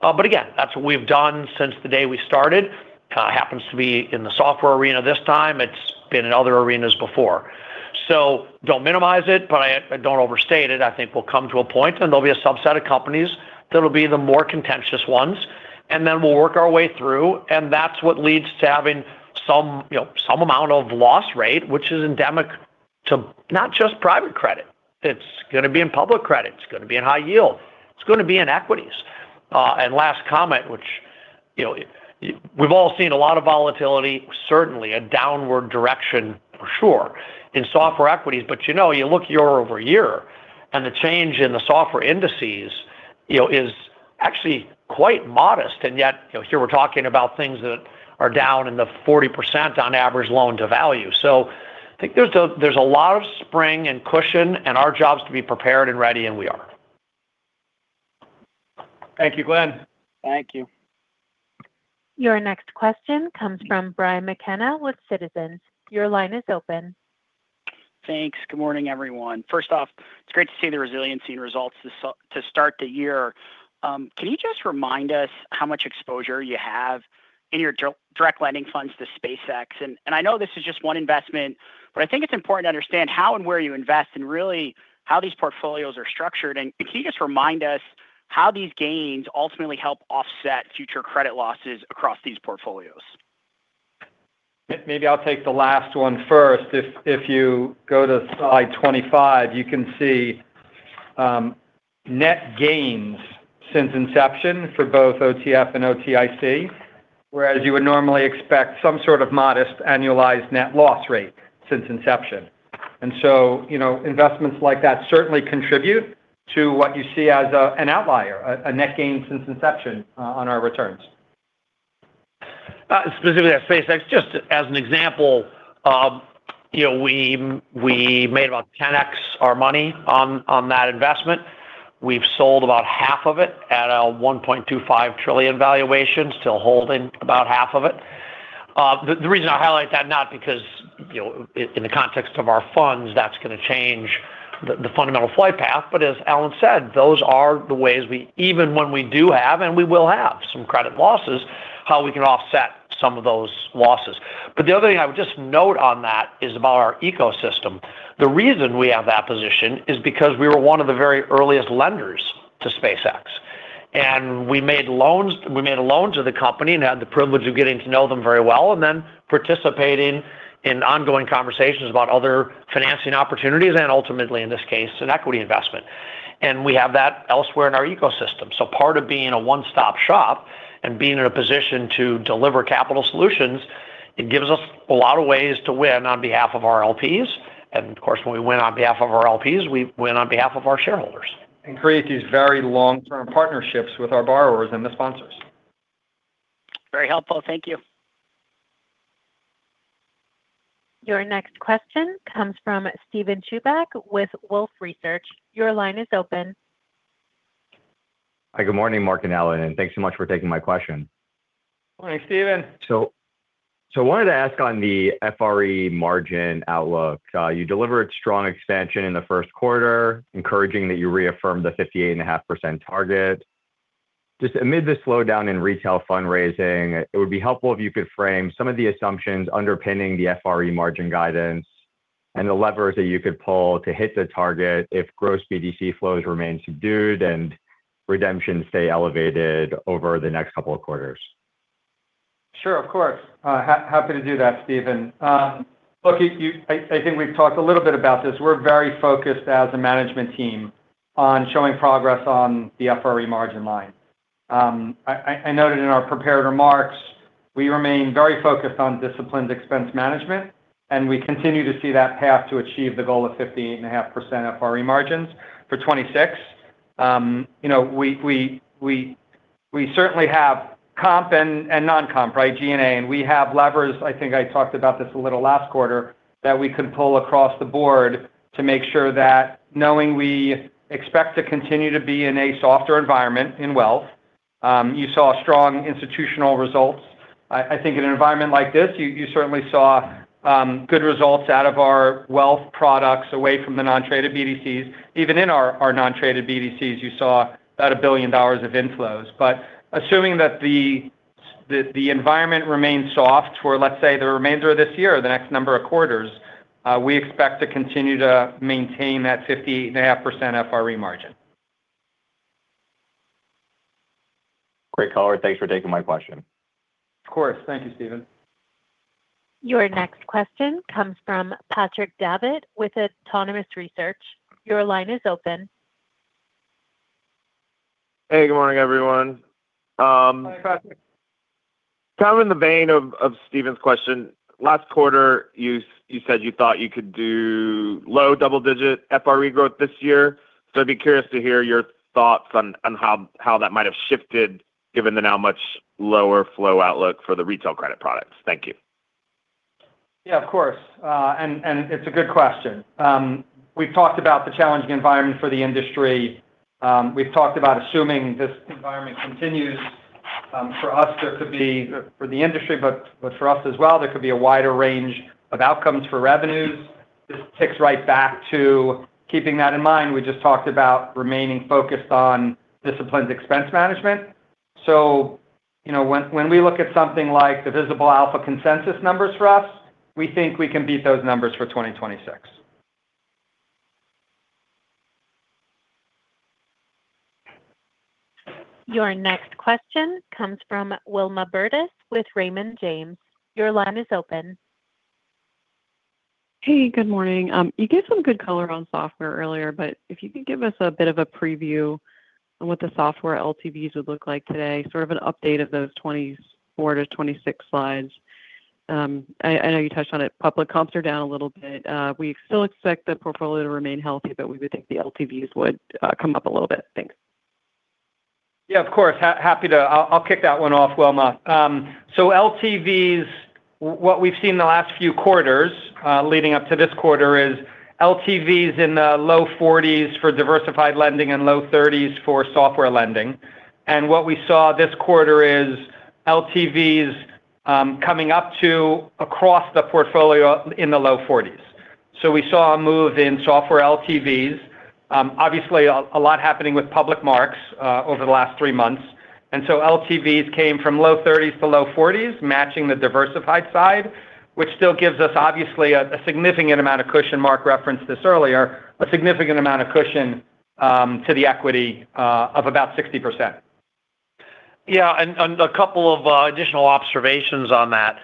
S3: Again, that's what we've done since the day we started. Happens to be in the software arena this time. It's been in other arenas before. Don't minimize it, but I don't overstate it. I think we'll come to a point, and there'll be a subset of companies that'll be the more contentious ones, and then we'll work our way through, and that's what leads to having some, you know, some amount of loss rate, which is endemic to not just private credit. It's gonna be in public credit, it's gonna be in high yield, it's gonna be in equities. Last comment, which, you know, we've all seen a lot of volatility, certainly a downward direction for sure in software equities. You know, you look YoY, the change in the software indices, you know, is actually quite modest. Yet, you know, here we're talking about things that are down in the 40% on average loan to value. I think there's a lot of spring and cushion, and our job is to be prepared and ready, and we are.
S4: Thank you, Glenn.
S9: Thank you.
S1: Your next question comes from Brian McKenna with Citizens. Your line is open.
S10: Thanks. Good morning, everyone. First off, it's great to see the resiliency and results to start the year. Can you just remind us how much exposure you have in your direct lending funds to SpaceX? I know this is just one investment, but I think it's important to understand how and where you invest and really how these portfolios are structured. Can you just remind us how these gains ultimately help offset future credit losses across these portfolios?
S4: Maybe I'll take the last one first. If you go to slide 25, you can see net gains since inception for both OTF and OTIC, whereas you would normally expect some sort of modest annualized net loss rate since inception. You know, investments like that certainly contribute to what you see as an outlier, a net gain since inception on our returns.
S3: Specifically at SpaceX, just as an example, you know, we made about 10x our money on that investment. We've sold about half of it at a $1.25 trillion valuation, still holding about half of it. The reason I highlight that, not because, you know, in the context of our funds, that's gonna change the fundamental flight path, but as Alan said, those are the ways even when we do have, and we will have some credit losses, how we can offset some of those losses. The other thing I would just note on that is about our ecosystem. The reason we have that position is because we were one of the very earliest lenders to SpaceX, and we made loans, we made a loan to the company and had the privilege of getting to know them very well, and then participating in ongoing conversations about other financing opportunities, and ultimately, in this case, an equity investment. We have that elsewhere in our ecosystem. Part of being a one-stop shop and being in a position to deliver capital solutions, it gives us a lot of ways to win on behalf of our LPs. Of course, when we win on behalf of our LPs, we win on behalf of our shareholders.
S4: Create these very long-term partnerships with our borrowers and the sponsors.
S10: Very helpful. Thank you.
S1: Your next question comes from Steven Chubak with Wolfe Research. Your line is open.
S11: Hi, good morning, Marc and Alan, and thanks so much for taking my question.
S4: Morning, Steven.
S11: I wanted to ask on the FRE margin outlook. You delivered strong expansion in the first quarter, encouraging that you reaffirmed the 58.5% target. Just amid the slowdown in retail fundraising, it would be helpful if you could frame some of the assumptions underpinning the FRE margin guidance and the levers that you could pull to hit the target if gross BDC flows remain subdued and redemptions stay elevated over the next couple of quarters.
S4: Sure, of course. Happy to do that, Steven. Look, you I think we've talked a little bit about this. We're very focused as a management team on showing progress on the FRE margin line. I noted in our prepared remarks, we remain very focused on disciplined expense management, and we continue to see that path to achieve the goal of 58.5% FRE margins for 2026. You know, we certainly have comp and non-comp, right? G&A. We have levers, I think I talked about this a little last quarter, that we can pull across the board to make sure that knowing we expect to continue to be in a softer environment in wealth, you saw strong institutional results. I think in an environment like this, you certainly saw good results out of our wealth products away from the non-traded BDCs. Even in our non-traded BDCs, you saw about $1 billion of inflows. Assuming that the environment remains soft for, let's say, the remainder of this year or the next number of quarters, we expect to continue to maintain that 58.5% FRE margin.
S11: Great call. Thanks for taking my question.
S4: Of course. Thank you, Steven.
S1: Your next question comes from Patrick Davitt with Autonomous Research. Your line is open.
S12: Hey, good morning, everyone.
S4: Hi, Patrick.
S12: Kind of in the vein of Steven's question, last quarter, you said you thought you could do low double-digit FRE growth this year. I'd be curious to hear your thoughts on how that might have shifted given the now much lower flow outlook for the retail credit products. Thank you.
S4: Yeah, of course. And it's a good question. We've talked about the challenging environment for the industry. We've talked about assuming this environment continues, for us, there could be, for the industry, but for us as well, there could be a wider range of outcomes for revenues. This ticks right back to keeping that in mind. We just talked about remaining focused on disciplined expense management. You know, when we look at something like the Visible Alpha consensus numbers for us, we think we can beat those numbers for 2026.
S1: Your next question comes from Wilma Burtis with Raymond James. Your line is open.
S13: Hey, good morning. You gave some good color on software earlier, but if you could give us a bit of a preview on what the software LTVs would look like today, sort of an update of those 24-26 slides. I know you touched on it, public comps are down a little bit. We still expect the portfolio to remain healthy, but we would think the LTVs would come up a little bit. Thanks.
S4: Yeah, of course. Happy to. I'll kick that one off, Wilma. LTVs, what we've seen in the last few quarters, leading up to this quarter is LTVs in the low 40s for diversified lending and low 30s for software lending. What we saw this quarter is LTVs coming up to across the portfolio in the low 40s. We saw a move in software LTVs. Obviously a lot happening with public marks over the last three months. LTVs came from low 30s to low 40s, matching the diversified side, which still gives us obviously a significant amount of cushion, Marc referenced this earlier, a significant amount of cushion, to the equity of about 60%.
S3: A couple of additional observations on that.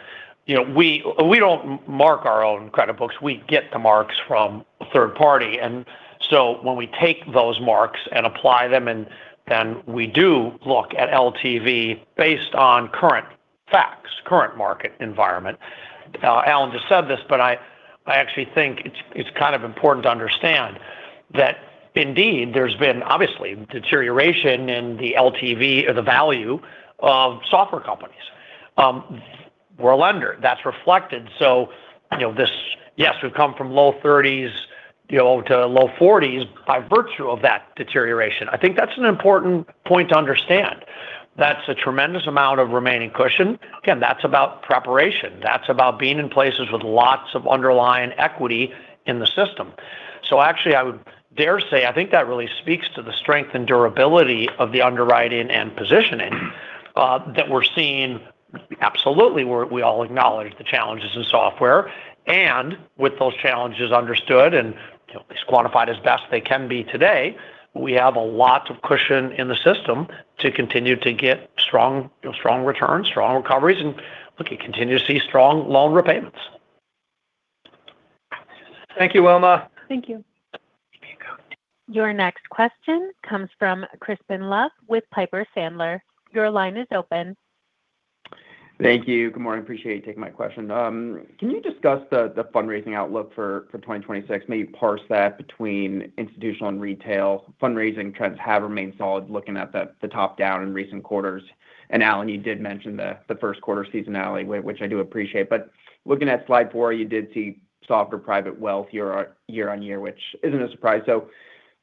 S3: You know, we don't mark our own credit books. We get the marks from a third party. When we take those marks and apply them, and then we do look at LTV based on current facts, current market environment. Alan just said this, but I actually think it's kind of important to understand that indeed there's been obviously deterioration in the LTV or the value of software companies. We're a lender, that's reflected. You know, yes, we've come from low 30s, you know, to low 40s by virtue of that deterioration. I think that's an important point to understand. That's a tremendous amount of remaining cushion. Again, that's about preparation. That's about being in places with lots of underlying equity in the system. Actually, I would dare say, I think that really speaks to the strength and durability of the underwriting and positioning that we're seeing. Absolutely, we all acknowledge the challenges in software, and with those challenges understood and, you know, at least quantified as best they can be today, we have a lot of cushion in the system to continue to get strong, you know, strong returns, strong recoveries, and look to continue to see strong loan repayments.
S4: Thank you, Wilma.
S13: Thank you.
S1: Your next question comes from Crispin Love with Piper Sandler. Your line is open.
S14: Thank you. Good morning. Appreciate you taking my question. Can you discuss the fundraising outlook for 2026? Maybe parse that between institutional and retail. Fundraising trends have remained solid looking at the top down in recent quarters. Alan, you did mention the first quarter seasonality, which I do appreciate. Looking at slide four, you did see softer private wealth year-on-year, which isn't a surprise.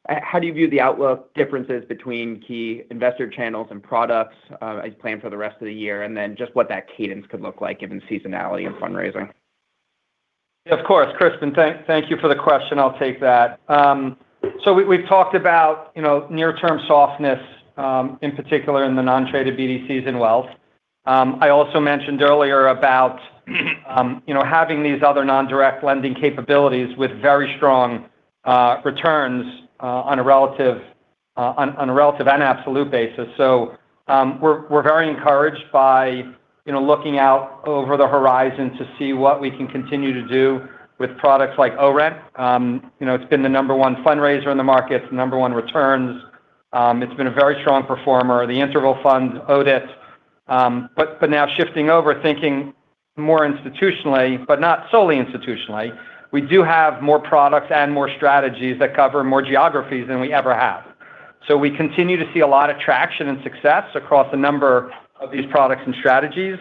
S14: How do you view the outlook differences between key investor channels and products as you plan for the rest of the year? Just what that cadence could look like given seasonality in fundraising.
S4: Yeah, of course. Crispin, thank you for the question. I'll take that. We've talked about, you know, near term softness, in particular in the non-traded BDCs and wealth. I also mentioned earlier about, you know, having these other non-direct lending capabilities with very strong returns on a relative and absolute basis. We're very encouraged by, you know, looking out over the horizon to see what we can continue to do with products like ORENT. You know, it's been the number one fundraiser in the market, the number one returns. It's been a very strong performer, the interval fund, ODIT. Now shifting over thinking more institutionally, but not solely institutionally, we do have more products and more strategies that cover more geographies than we ever have. We continue to see a lot of traction and success across a number of these products and strategies.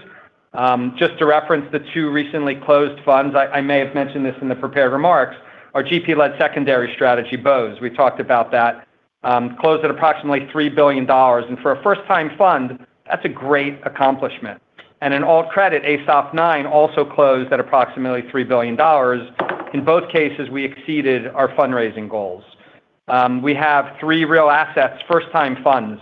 S4: Just to reference the two recently closed funds, I may have mentioned this in the prepared remarks, our GP-led secondary strategy, BOSE, we talked about that, closed at approximately $3 billion. For a first time fund, that's a great accomplishment. In all credit, ASOF IX also closed at approximately $3 billion. In both cases, we exceeded our fundraising goals. We have three real assets, first time funds,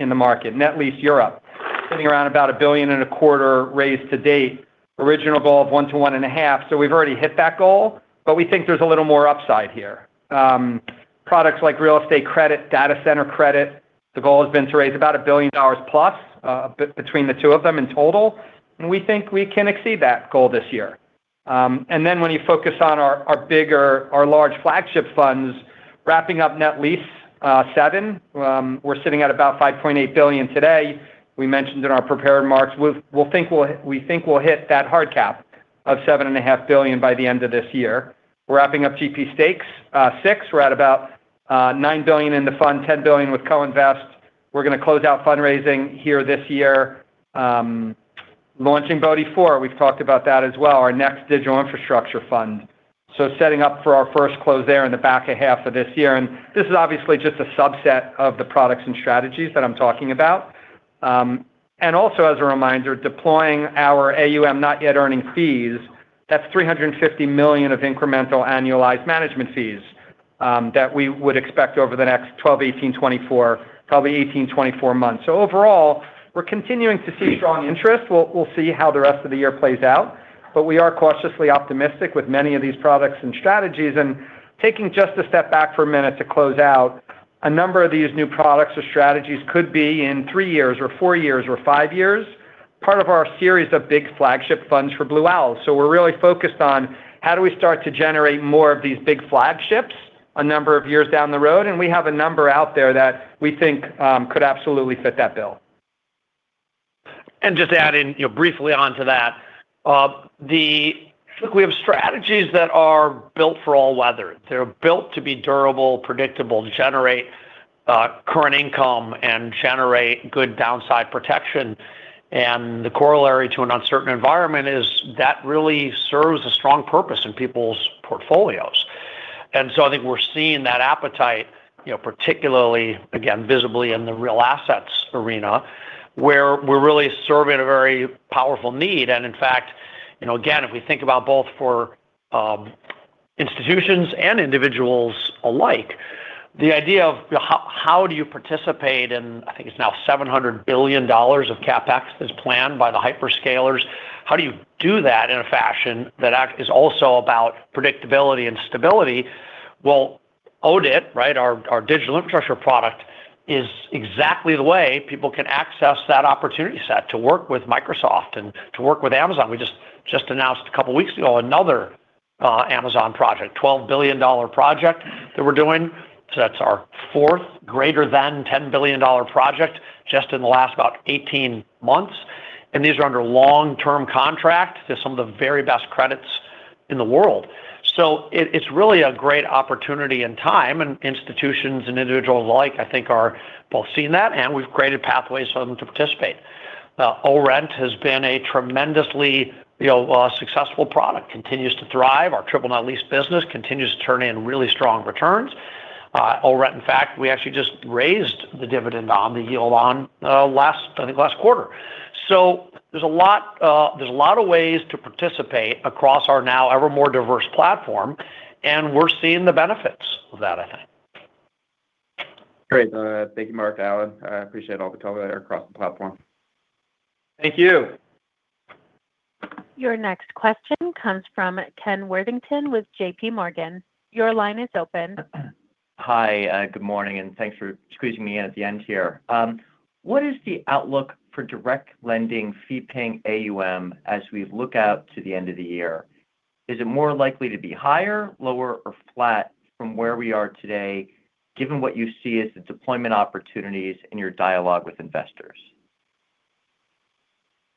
S4: in the market. Net Lease Europe, sitting around about $1 billion and a quarter raised to date. Original goal of $1 billion to $1.5 billion. We've already hit that goal, but we think there's a little more upside here. Products like real estate credit, data center credit, the goal has been to raise about $1 billion+, between the two of them in total. We think we can exceed that goal this year. When you focus on our bigger, our large flagship funds, wrapping up Net Lease seven, we're sitting at about $5.8 billion today. We mentioned in our prepared remarks, we think we'll hit that hard cap of $7.5 billion by the end of this year. We're wrapping up GP Stakes six. We're at about $9 billion in the fund, $10 billion with co-invest. We're gonna close out fundraising here this year. Launching BODI 4, we've talked about that as well, our next digital infrastructure fund. Setting up for our first close there in the back half of this year. This is obviously just a subset of the products and strategies that I'm talking about. Also as a reminder, deploying our AUM not yet earning fees, that's $350 million of incremental annualized management fees that we would expect over the next 12, 18, 24, probably 18, 24 months. Overall, we're continuing to see strong interest. We'll see how the rest of the year plays out. We are cautiously optimistic with many of these products and strategies. Taking just a step back for a minute to close out, a number of these new products or strategies could be in three years or four years or five years, part of our series of big flagship funds for Blue Owl. We're really focused on how do we start to generate more of these big flagships a number of years down the road, and we have a number out there that we think could absolutely fit that bill.
S3: Just adding, you know, briefly onto that, we have strategies that are built for all weather. They're built to be durable, predictable, generate current income and generate good downside protection. The corollary to an uncertain environment is that really serves a strong purpose in people's portfolios. I think we're seeing that appetite, you know, particularly, again, visibly in the real assets arena, where we're really serving a very powerful need. In fact, you know, again, if we think about both for institutions and individuals alike, the idea of how do you participate in, I think it's now $700 billion of CapEx as planned by the hyperscalers. How do you do that in a fashion that act is also about predictability and stability? ODIT, right, our digital infrastructure product is exactly the way people can access that opportunity set to work with Microsoft and to work with Amazon. We just announced a couple weeks ago, another Amazon project, a $12 billion project that we're doing. That's our fourth greater than $10 billion project just in the last about 18 months. These are under long-term contract. They're some of the very best credits in the world. It's really a great opportunity and time, and institutions and individuals alike, I think are both seeing that, and we've created pathways for them to participate. ORENT has been a tremendously, you know, successful product, continues to thrive. Our triple net lease business continues to turn in really strong returns. ORENT, in fact, we actually just raised the dividend on the yield on last quarter. There's a lot, there's a lot of ways to participate across our now ever more diverse platform, and we're seeing the benefits of that, I think.
S14: Great. Thank you, Marc, Alan. I appreciate all the color across the platform.
S4: Thank you.
S1: Your next question comes from Ken Worthington with JPMorgan. Your line is open.
S15: Hi, good morning, and thanks for squeezing me in at the end here. What is the outlook for direct lending fee paying AUM as we look out to the end of the year? Is it more likely to be higher, lower or flat from where we are today, given what you see as the deployment opportunities in your dialogue with investors?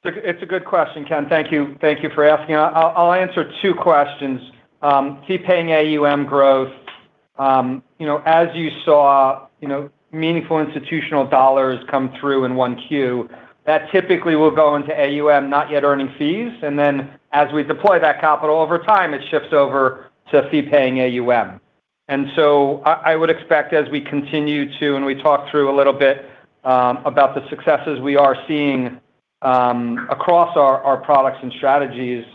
S4: It's a good question, Ken. Thank you. Thank you for asking. I'll answer two questions. Fee paying AUM growth, you know, as you saw, you know, meaningful institutional dollars come through in 1Q, that typically will go into AUM, not yet earning fees. As we deploy that capital over time, it shifts over to fee paying AUM. I would expect as we continue to and we talk through a little bit about the successes we are seeing across our products and strategies,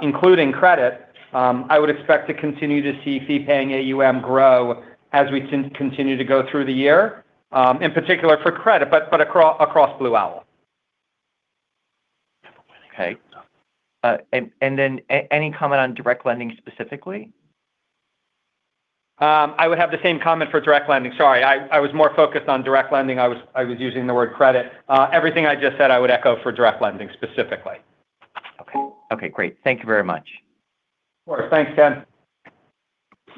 S4: including credit, I would expect to continue to see fee paying AUM grow as we continue to go through the year, in particular for credit, but across Blue Owl.
S15: Okay. Then any comment on direct lending specifically?
S4: I would have the same comment for direct lending. Sorry, I was more focused on direct lending. I was using the word credit. Everything I just said, I would echo for direct lending specifically.
S15: Okay. Okay, great. Thank you very much.
S4: Of course. Thanks, Ken.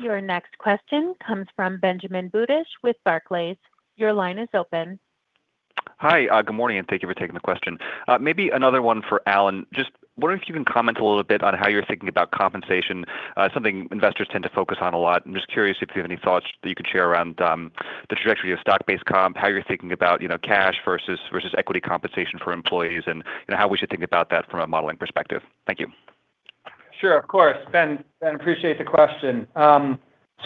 S1: Your next question comes from Benjamin Budish with Barclays. Your line is open.
S16: Hi. Good morning, and thank you for taking the question. Maybe another one for Alan. Just wondering if you can comment a little bit on how you're thinking about compensation, something investors tend to focus on a lot. I'm just curious if you have any thoughts that you could share around the trajectory of stock-based comp, how you're thinking about, you know, cash versus equity compensation for employees and how we should think about that from a modeling perspective. Thank you.
S4: Sure, of course. Ben, appreciate the question.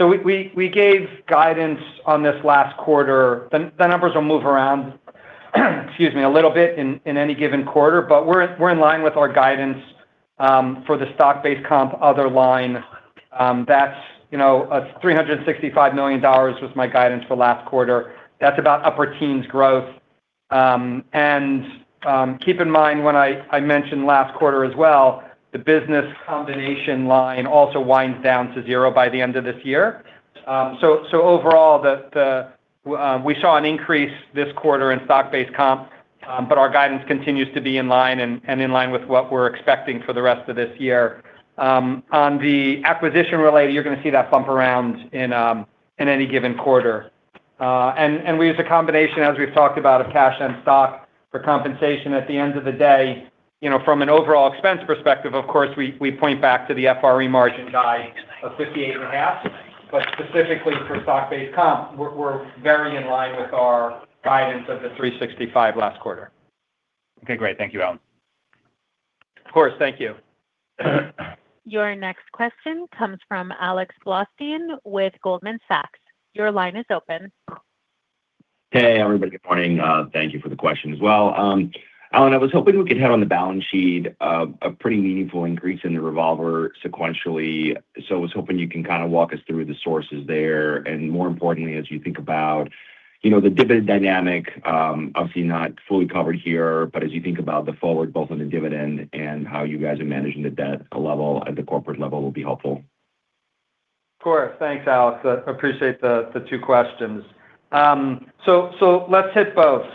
S4: We gave guidance on this last quarter. The numbers will move around, excuse me, a little bit in any given quarter, but we're in line with our guidance for the stock-based comp other line. That's, you know, $365 million was my guidance for last quarter. And keep in mind when I mentioned last quarter as well, the business combination line also winds down to zero by the end of this year. Overall, we saw an increase this quarter in stock-based comp, but our guidance continues to be in line and in line with what we're expecting for the rest of this year. On the acquisition related, you're gonna see that bump around in any given quarter. We use a combination, as we've talked about, of cash and stock for compensation. At the end of the day, you know, from an overall expense perspective, of course, we point back to the FRE margin guide of 58.5% Specifically for stock-based comp, we're very in line with our guidance of the $365 million last quarter.
S16: Okay, great. Thank you, Alan.
S4: Of course. Thank you.
S1: Your next question comes from Alexander Blostein with Goldman Sachs. Your line is open.
S17: Hey, everybody. Good morning. Thank you for the question as well. Alan, I was hoping we could hit on the balance sheet of a pretty meaningful increase in the revolver sequentially. I was hoping you can kind of walk us through the sources there. More importantly, as you think about, you know, the dividend dynamic, obviously not fully covered here, but as you think about the forward, both on the dividend and how you guys are managing the debt level at the corporate level will be helpful.
S4: Of course. Thanks, Alexander Blostein. I appreciate the two questions. Let's hit both.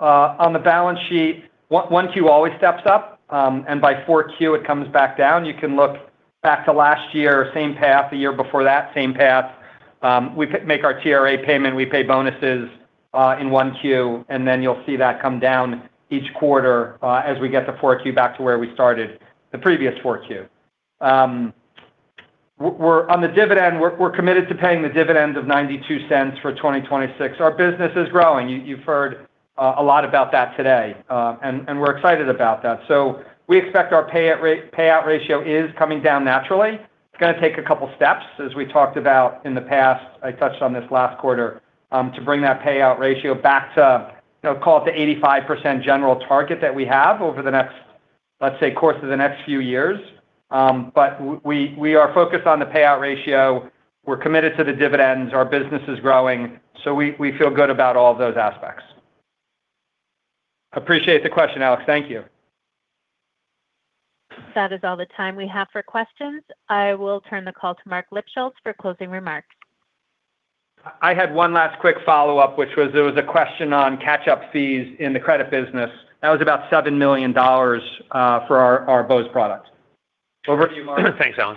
S4: On the balance sheet, 1Q always steps up, and by 4Q, it comes back down. You can look back to last year, same path, the year before that, same path. We make our TRA payment. We pay bonuses in 1Q, and then you'll see that come down each quarter as we get to 4Q back to where we started the previous 4Q. We're on the dividend, we're committed to paying the dividend of $0.92 for 2026. Our business is growing. You've heard a lot about that today, and we're excited about that. We expect our payout ratio is coming down naturally. It's gonna take a couple steps, as we talked about in the past, I touched on this last quarter, to bring that payout ratio back to, you know, call it the 85% general target that we have over the next, let's say, course of the next few years. We are focused on the payout ratio. We're committed to the dividends. Our business is growing, so we feel good about all those aspects. Appreciate the question, Alex. Thank you.
S1: That is all the time we have for questions. I will turn the call to Marc Lipschultz for closing remarks.
S4: I had one last quick follow-up, which was there was a question on catch-up fees in the credit business. That was about $7 million for our BOSE product. Over to you, Marc.
S3: Thanks, Alan.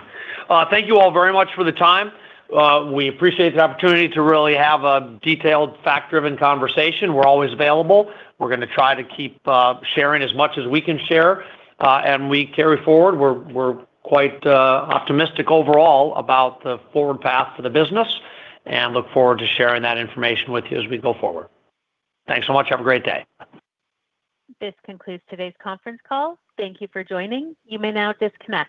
S3: Thank you all very much for the time. We appreciate the opportunity to really have a detailed, fact-driven conversation. We're always available. We're gonna try to keep sharing as much as we can share. We carry forward. We're quite optimistic overall about the forward path for the business, and look forward to sharing that information with you as we go forward. Thanks so much. Have a great day.
S1: This concludes today's conference call. Thank you for joining. You may now disconnect.